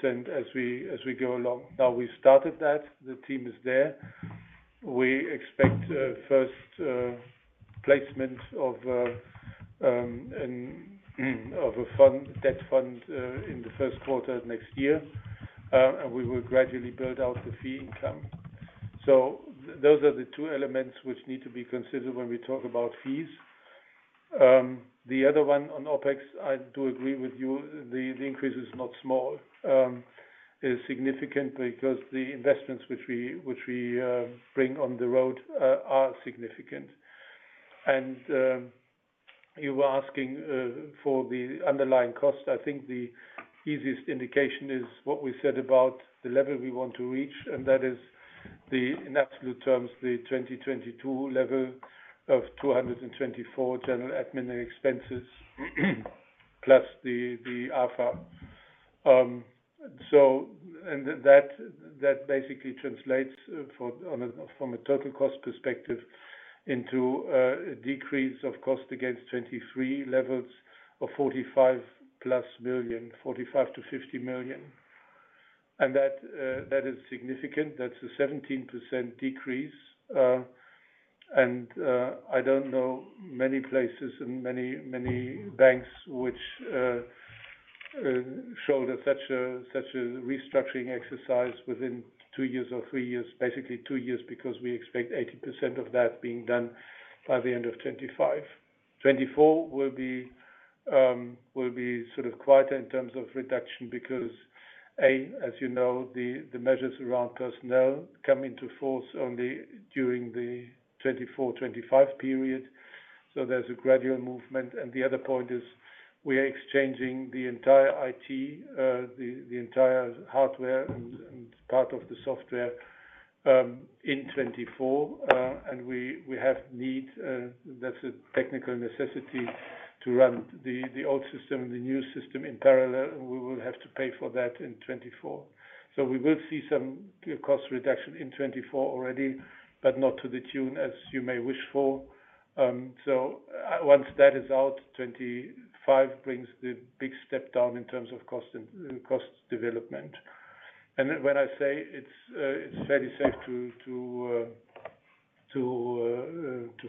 15% as we go along. Now, we started that, the team is there. We expect first placement of a debt fund in the first quarter of next year and we will gradually build out the fee income. So those are the two elements which need to be considered when we talk about fees. The other one on OpEx, I do agree with you, the increase is not small. It's significant because the investments which we bring on the road are significant. You were asking for the underlying cost. I think the easiest indication is what we said about the level we want to reach, and that is, in absolute terms, the 2022 level of 224 million general admin expenses, plus the Alpha. So, and that basically translates from a total cost perspective into a decrease of cost against 2023 levels of 45 million plus, 45 to 50 million. And that is significant. That's a 17% decrease. I don't know many places and many banks which showed such a restructuring exercise within two years or three years, basically two years, because we expect 80% of that being done by the end of 2025. 2024 will be sort of quiet in terms of reduction, because, A, as you know, the measures around personnel come into force only during the 2024, 2025 period. So there's a gradual movement. And the other point is we are exchanging the entire IT, the entire hardware and part of the software in 2024. And we have need, that's a technical necessity to run the old system and the new system in parallel, and we will have to pay for that in 2024. So we will see some cost reduction in 2024 already, but not to the tune, as you may wish for. So once that is out, 2025 brings the big step down in terms of cost and cost development. When I say it's fairly safe to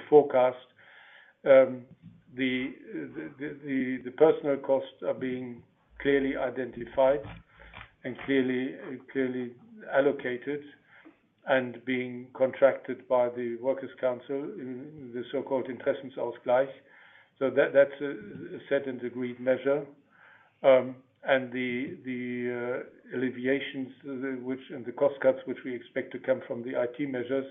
forecast, the personal costs are being clearly identified and clearly allocated and being contracted by the Workers' Council in the so-called Interessenausgleich. So that's a set and agreed measure. And the alleviations and the cost cuts, which we expect to come from the IT measures,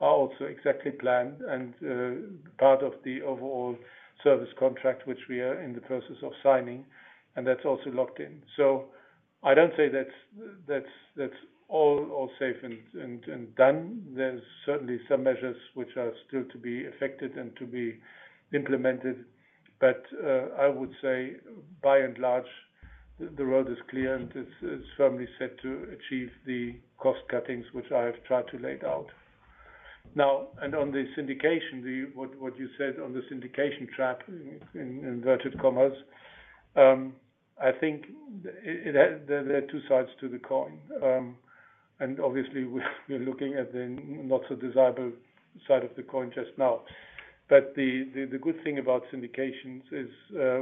are also exactly planned and part of the overall service contract, which we are in the process of signing, and that's also locked in. So I don't say that's all safe and done. There's certainly some measures which are still to be effected and to be implemented, but I would say by and large, the road is clear and is firmly set to achieve the cost cuttings, which I have tried to lay out. Now, on the syndication, what you said on the syndication trap, in inverted commas, I think there are two sides to the coin. And obviously, we're looking at the not so desirable side of the coin just now. But the good thing about syndications is,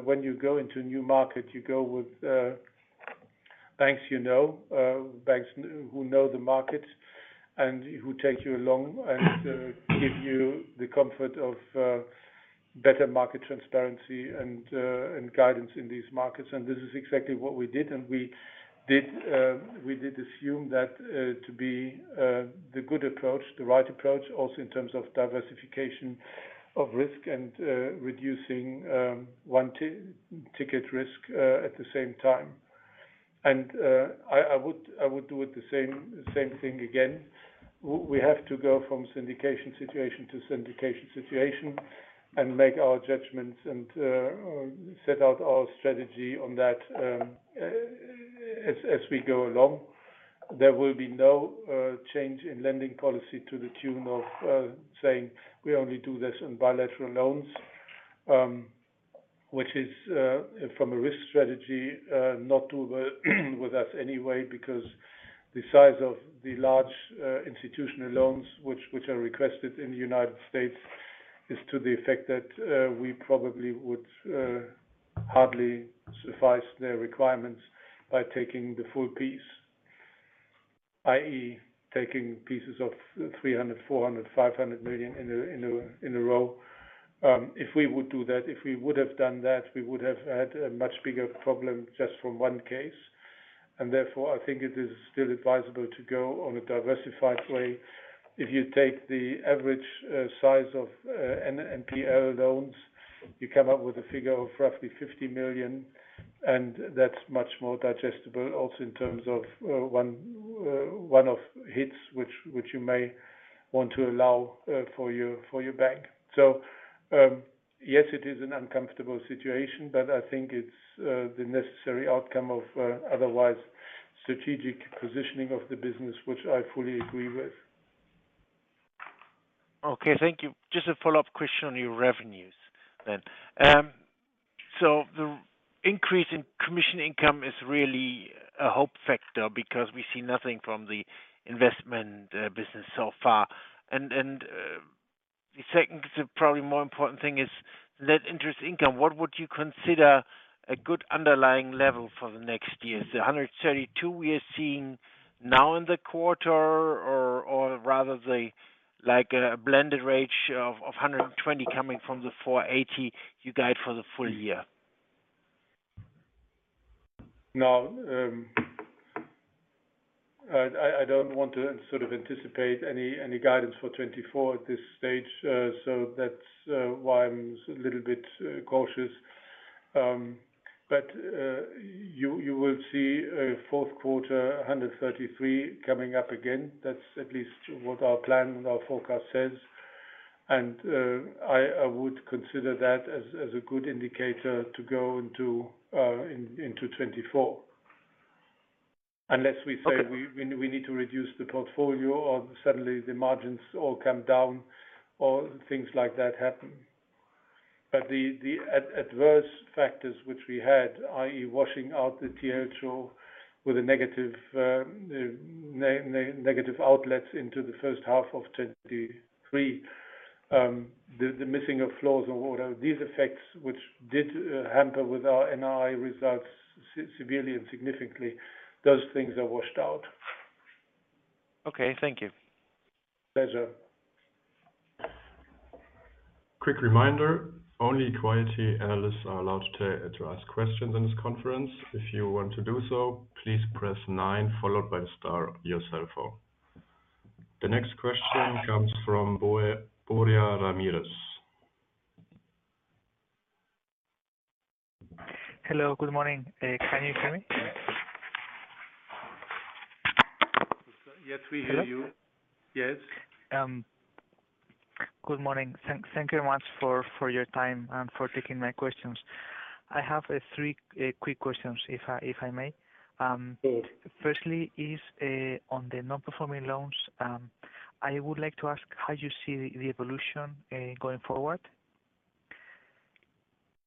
when you go into a new market, you go with banks you know, banks who know the market and who take you along and give you the comfort of better market transparency and guidance in these markets. And this is exactly what we did, and we did assume that to be the good approach, the right approach, also in terms of diversification of risk and reducing one ticket risk at the same time. And I would do it the same thing again. We have to go from syndication situation to syndication situation and make our judgments and set out our strategy on that as we go along. There will be no change in lending policy to the tune of saying we only do this on bilateral loans. Which is, from a risk strategy, not to, with us anyway, because the size of the large institutional loans which are requested in the United States is to the effect that we probably would hardly suffice their requirements by taking the full piece, i.e., taking pieces of $300 million, $400 million, $500 million in a row. If we would do that, if we would have done that, we would have had a much bigger problem just from one case, and therefore, I think it is still advisable to go on a diversified way. If you take the average size of NPL loans, you come up with a figure of roughly 50 million, and that's much more digestible, also in terms of one-off hit which you may want to allow for your bank. So, yes, it is an uncomfortable situation, but I think it's the necessary outcome of otherwise strategic positioning of the business, which I fully agree with. Okay, thank you. Just a follow-up question on your revenues then. So the increase in commission income is really a hope factor, because we see nothing from the investment business so far. And the second, probably more important thing is net interest income. What would you consider a good underlying level for the next years? The 132 we are seeing now in the quarter or, or rather the like, a blended range of 120 coming from the 480 you guide for the full year? No, I don't want to sort of anticipate any guidance for 2024 at this stage, so that's why I'm a little bit cautious. But you will see a fourth quarter 133 coming up again. That's at least what our plan and our forecast says. And I would consider that as a good indicator to go into 2024. Unless we say... Okay We need to reduce the portfolio or suddenly the margins all come down or things like that happen. But the adverse factors which we had, i.e., washing out the TLTRO with a negative outlets into the first half of 2023. The missing of floors and water, these effects, which did hamper with our NII results severely and significantly, those things are washed out. Okay, thank you. Pleasure. Quick reminder, only quality analysts are allowed to ask questions in this conference. If you want to do so, please press nine followed by star on your cell phone. The next question comes from Borja Ramirez. Hello, good morning. Can you hear me? Yes, we hear you. Yes. Good morning. Thank you much for your time and for taking my questions. I have three quick questions, if I may. Please. First, is on the non-performing loans. I would like to ask how you see the evolution going forward?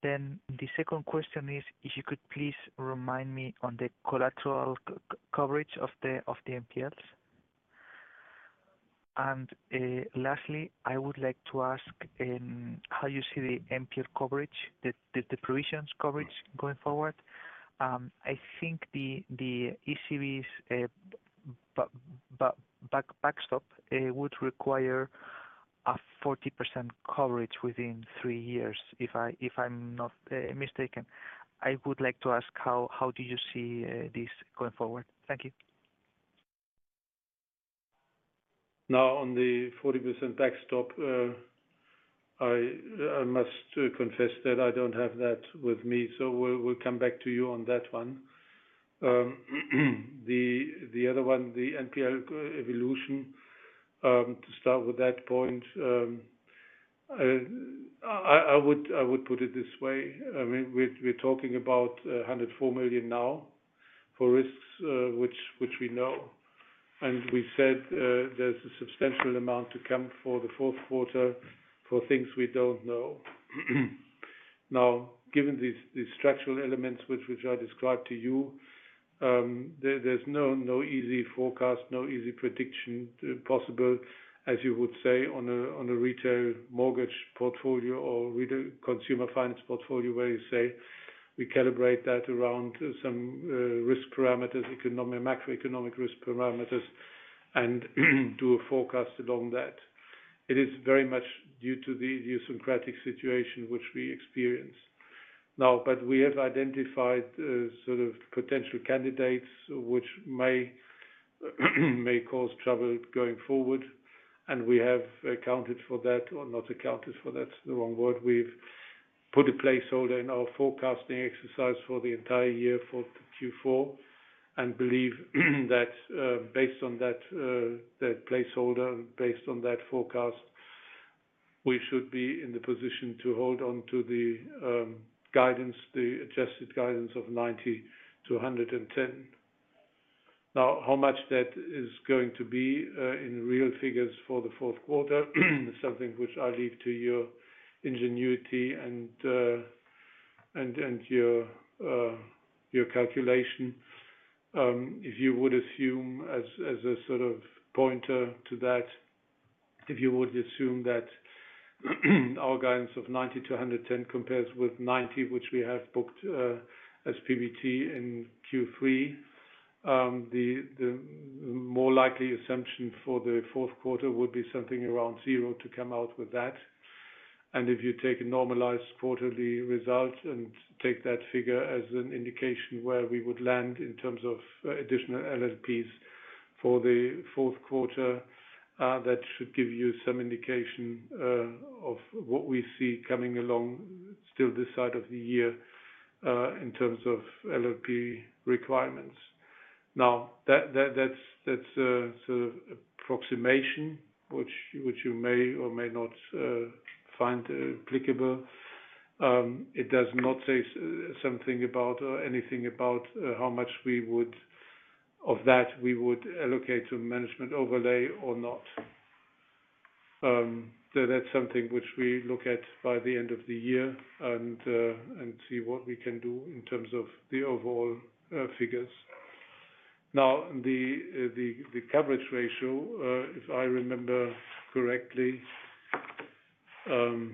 Then the second question is, if you could please remind me on the collateral coverage of the NPLs. And lastly, I would like to ask how you see the NPL coverage, the provisions coverage going forward? I think the ECB's backstop would require a 40% coverage within three years, if I'm not mistaken. I would like to ask how do you see this going forward? Thank you. Now, on the 40% backstop, I must confess that I don't have that with me, so we'll come back to you on that one. The other one, the NPL evolution. To start with that point, I would put it this way. I mean, we're talking about 104 million now for risks which we know. And we said, there's a substantial amount to come for the fourth quarter for things we don't know. Now, given these structural elements, which I described to you, there, there's no easy forecast, no easy prediction possible, as you would say, on a retail mortgage portfolio or retail consumer finance portfolio, where you say we calibrate that around some risk parameters, economic macroeconomic risk parameters, and do a forecast along that. It is very much due to the idiosyncratic situation which we experience... Now, but we have identified sort of potential candidates which may cause trouble going forward, and we have accounted for that or not accounted for that, the wrong word. We've put a placeholder in our forecasting exercise for the entire year for fourth quarter, and believe that, based on that, that placeholder, based on that forecast, we should be in the position to hold on to the guidance, the adjusted guidance of 90 to 110. Now, how much that is going to be, in real figures for the fourth quarter, is something which I leave to your ingenuity and your calculation. If you would assume as a sort of pointer to that, if you would assume that our guidance of 90 to 110 compares with 90, which we have booked, as PBT in third quarter. The more likely assumption for the fourth quarter would be something around zero to come out with that. And if you take a normalized quarterly result and take that figure as an indication where we would land in terms of additional LLPs for the fourth quarter, that should give you some indication of what we see coming along still this side of the year in terms of LLP requirements. Now, that's a sort of approximation which you may or may not find applicable. It does not say something about or anything about how much of that we would allocate to management overlay or not. So that's something which we look at by the end of the year and see what we can do in terms of the overall figures. Now, the coverage ratio, if I remember correctly, the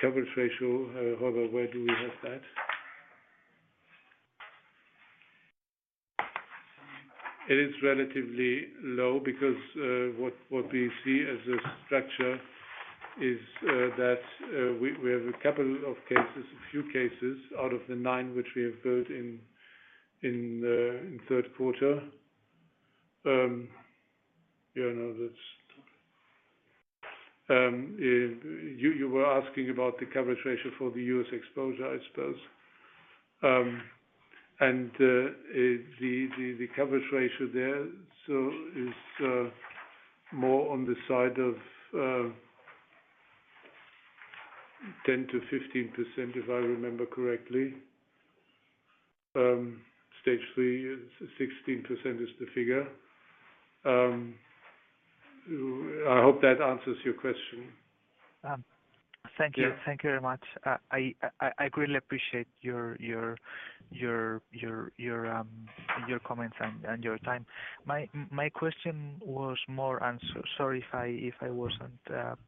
coverage ratio, however where do we have that? It is relatively low because what we see as a structure is that we have a couple of cases, a few cases out of the nine which we have built in, in third quarter. Yeah, no, that's... You were asking about the coverage ratio for the US exposure, I suppose. And, the coverage ratio there so is more on the side of 10% to 15%, if I remember correctly. Stage Three, 16% is the figure. I hope that answers your question. Thank you. Yeah. Thank you very much. I greatly appreciate your comments and your time. My question was more, and so sorry if I wasn't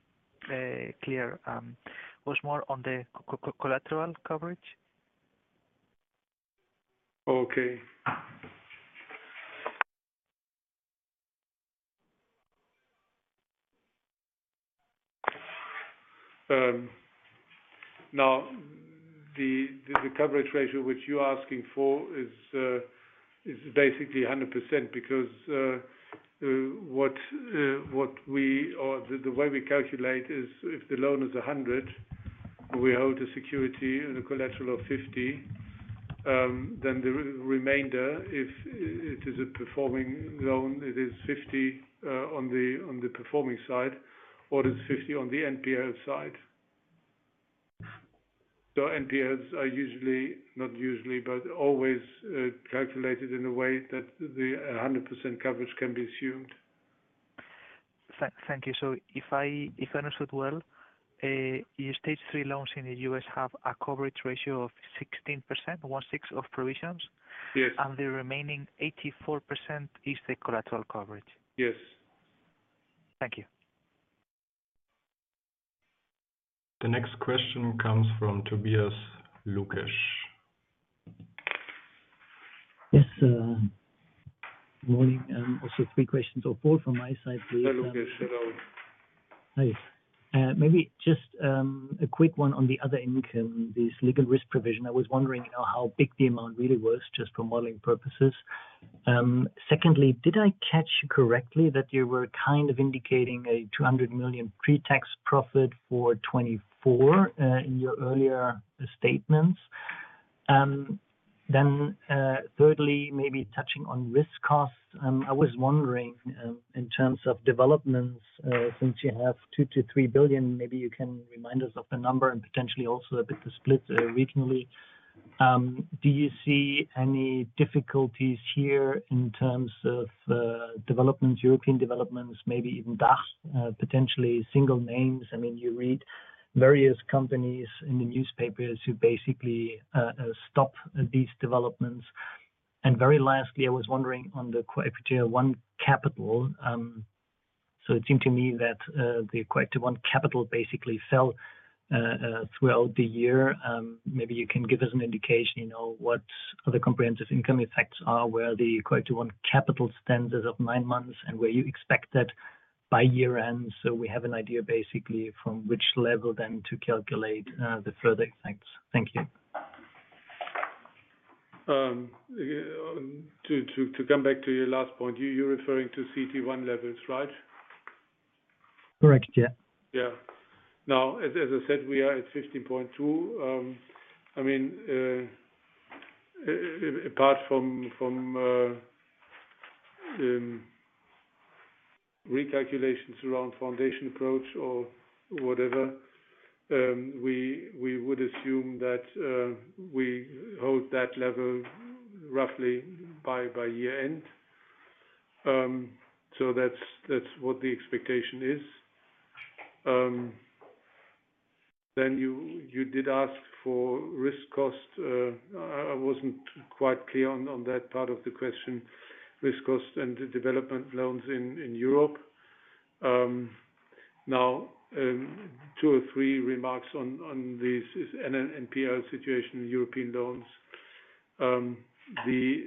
clear. It was more on the collateral coverage. Okay. Now the coverage ratio, which you're asking for is basically 100% because what we or the way we calculate is if the loan is 100, we hold a security and a collateral of 50, then the remainder, if it is a performing loan, it is 50 on the performing side or it's 50 on the NPL side. So NPLs are usually, not usually, but always, calculated in a way that the 100% coverage can be assumed. Thank you. So if I understood well, your Stage Three loans in the US have a coverage ratio of 16%, 16 of provisions? Yes. The remaining 84% is the collateral coverage. Yes. Thank you. The next question comes from Tobias Lukesch. Yes, good morning. Also three questions or four from my side, please. Hi, Lukesch. Hello. Hi. Maybe just a quick one on the other income, this legal risk provision. I was wondering, you know, how big the amount really was, just for modeling purposes. Secondly, did I catch you correctly, that you were kind of indicating a 200 million pre-tax profit for 2024 in your earlier statements? Thirdly, maybe touching on risk costs. I was wondering in terms of developments since you have 2 to 3 billion, maybe you can remind us of the number and potentially also a bit of split regionally. Do you see any difficulties here in terms of developments, European developments, maybe even DACH, potentially single names? I mean, you read various companies in the newspapers who basically stop these developments. Very lastly, I was wondering on the equity Tier 1 capital, so it seemed to me that the equity Tier 1 capital basically fell throughout the year. Maybe you can give us an indication, you know, what other comprehensive income effects are, where the equity Tier 1 capital stands as of nine months, and where you expect that by year end. So we have an idea, basically, from which level then to calculate the further effects. Thank you. To come back to your last point, you're referring to CET1 levels, right? Correct. Yeah. Yeah. Now, as I said, we are at 15.2. I mean, apart from recalculations around FIRB approach or whatever, we would assume that we hold that level roughly by year-end. So that's what the expectation is. Then you did ask for risk cost. I wasn't quite clear on that part of the question. Risk cost and development loans in Europe. Now, two or three remarks on this NPL situation in European loans. The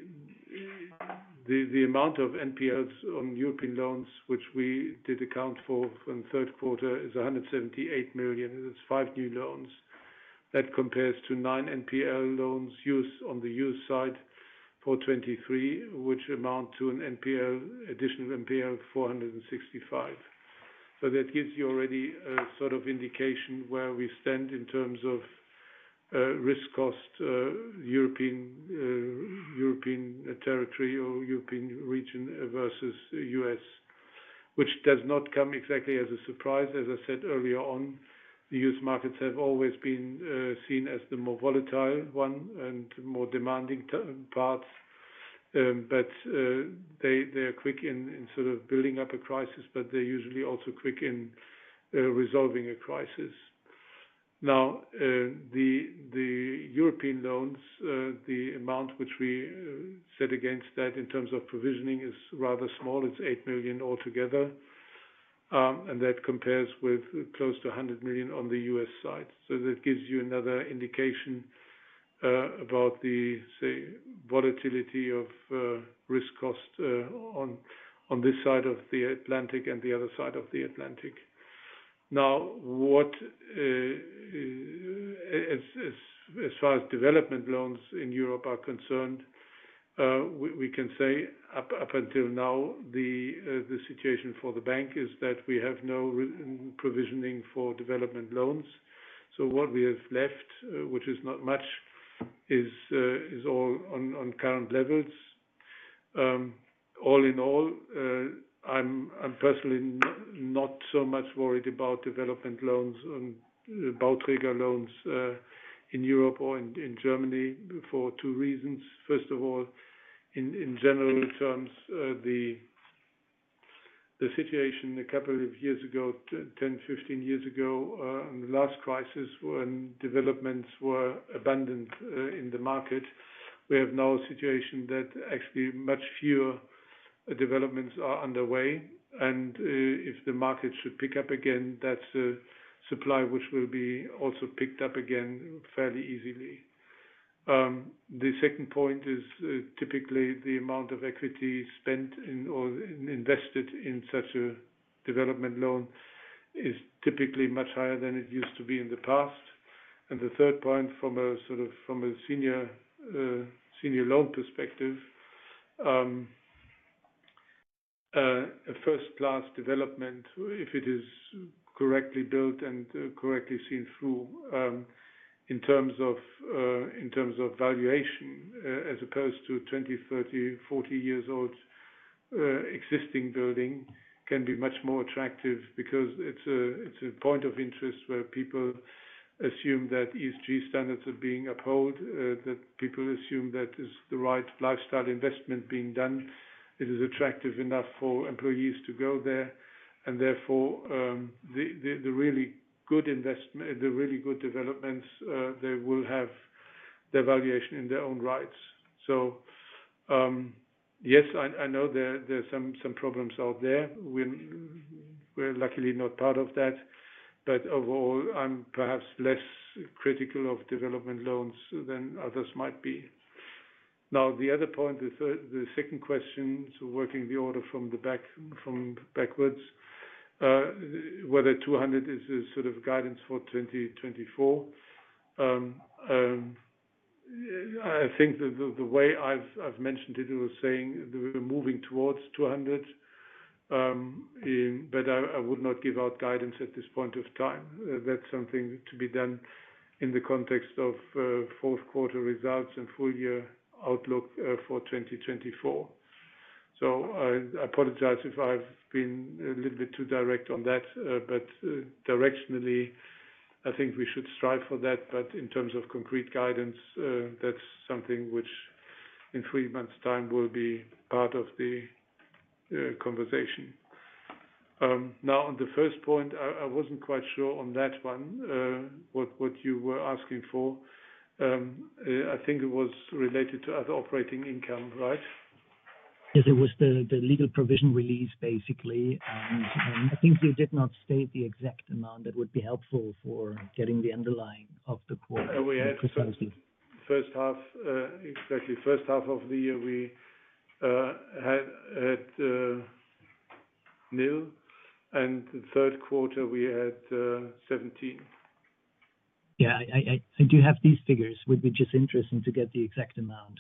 amount of NPLs on European loans, which we did account for in the third quarter, is 178 million. It's five new loans. That compares to nine NPL loans in the European side for 2023, which amount to an additional NPL of 465 million. So that gives you already a sort of indication where we stand in terms of risk cost, European territory or European region versus US, which does not come exactly as a surprise. As I said earlier on, the US markets have always been seen as the more volatile one and more demanding parts. But they're quick in sort of building up a crisis, but they're usually also quick in resolving a crisis. Now, the European loans, the amount which we set against that in terms of provisioning is rather small. It's 8 million altogether, and that compares with close to 100 million on the US side. So that gives you another indication about the, say, volatility of risk cost on this side of the Atlantic and the other side of the Atlantic. Now, what as far as development loans in Europe are concerned, we can say up until now, the situation for the bank is that we have no re-provisioning for development loans. So what we have left, which is not much, is all on current levels. All in all, I'm personally not so much worried about development loans and about trigger loans in Europe or in Germany for two reasons. First of all, in general terms, the situation a couple of years ago, 10, 15 years ago, in the last crisis, when developments were abundant in the market, we have now a situation that actually much fewer developments are underway. If the market should pick up again, that's a supply which will be also picked up again fairly easily. The second point is, typically the amount of equity spent in or invested in such a development loan is typically much higher than it used to be in the past. And the third point, from a sort of senior loan perspective, a first-class development, if it is correctly built and correctly seen through, in terms of valuation, as opposed to 20, 30, 40 years old existing building, can be much more attractive because it's a point of interest where people assume that ESG standards are being upheld, that people assume that is the right lifestyle investment being done. It is attractive enough for employees to go there, and therefore, the really good investment, the really good developments, they will have the valuation in their own rights. So, yes, I know there are some problems out there. We're luckily not part of that, but overall, I'm perhaps less critical of development loans than others might be. Now, the other point, the second question, so working the order from the back, backwards, whether 200 is a sort of guidance for 2024. I think the way I've mentioned it was saying we were moving towards 200, but I would not give out guidance at this point of time. That's something to be done in the context of fourth quarter results and full year outlook for 2024. So I apologize if I've been a little bit too direct on that, but directionally, I think we should strive for that. But in terms of concrete guidance, that's something which in three months' time, will be part of the conversation. Now, on the first point, I wasn't quite sure on that one, what you were asking for. I think it was related to other operating income, right? Yes, it was the legal provision release, basically. I think you did not state the exact amount that would be helpful for getting the underlying of the quote... We had... Precisely. First half, exactly. First half of the year, we had zero, and the third quarter we had 17. Yeah, I do have these figures. It would be just interesting to get the exact amount.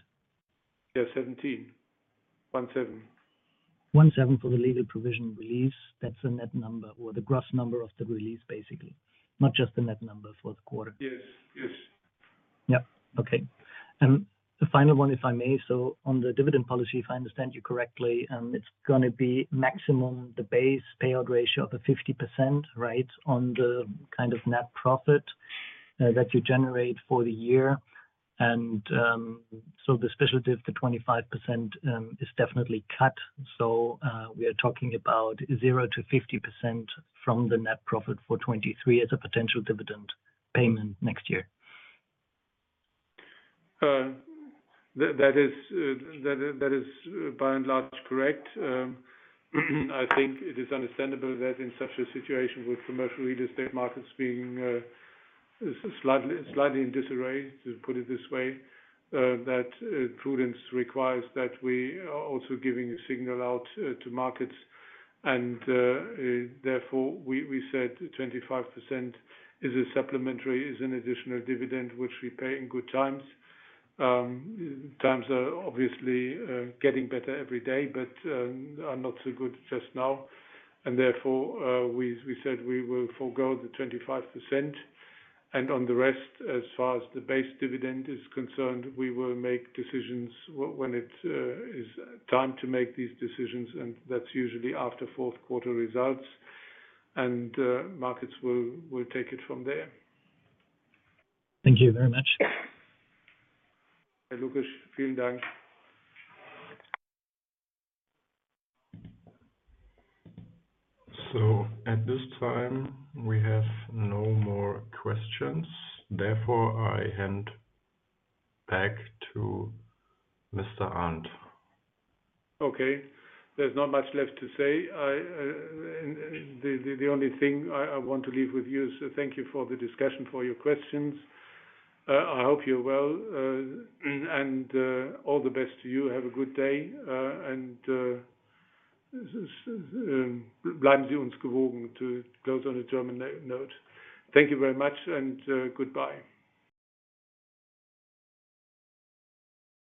Yeah, 17. 1 7. 17 for the legal provision release. That's the net number or the gross number of the release, basically, not just the net number for the quarter? Yes. Yes. Yep. Okay. And the final one, if I may. So on the dividend policy, if I understand you correctly, it's gonna be maximum the base payout ratio of the 50%, right? On the kind of net profit that you generate for the year. And, so the special div to 25%, is definitely cut. So, we are talking about 0% to 50% from the net profit for 2023 as a potential dividend payment next year. That is by and large correct. I think it is understandable that in such a situation with commercial real estate markets being slightly in disarray, to put it this way, that prudence requires that we are also giving a signal out to markets. And therefore, we said 25% is a supplementary, is an additional dividend, which we pay in good times. Times are obviously getting better every day, but are not so good just now. And therefore, we said we will forgo the 25%. And on the rest, as far as the base dividend is concerned, we will make decisions when it is time to make these decisions, and that's usually after fourth quarter results, and markets will take it from there. Thank you very much. Hey, Lukesch. Vielen Dank. At this time we have no more questions. Therefore, I hand back to Mr. Arndt. Okay. There's not much left to say. The only thing I want to leave with you is, thank you for the discussion, for your questions. I hope you're well, and all the best to you. Have a good day, to close on a German note. Thank you very much, and goodbye.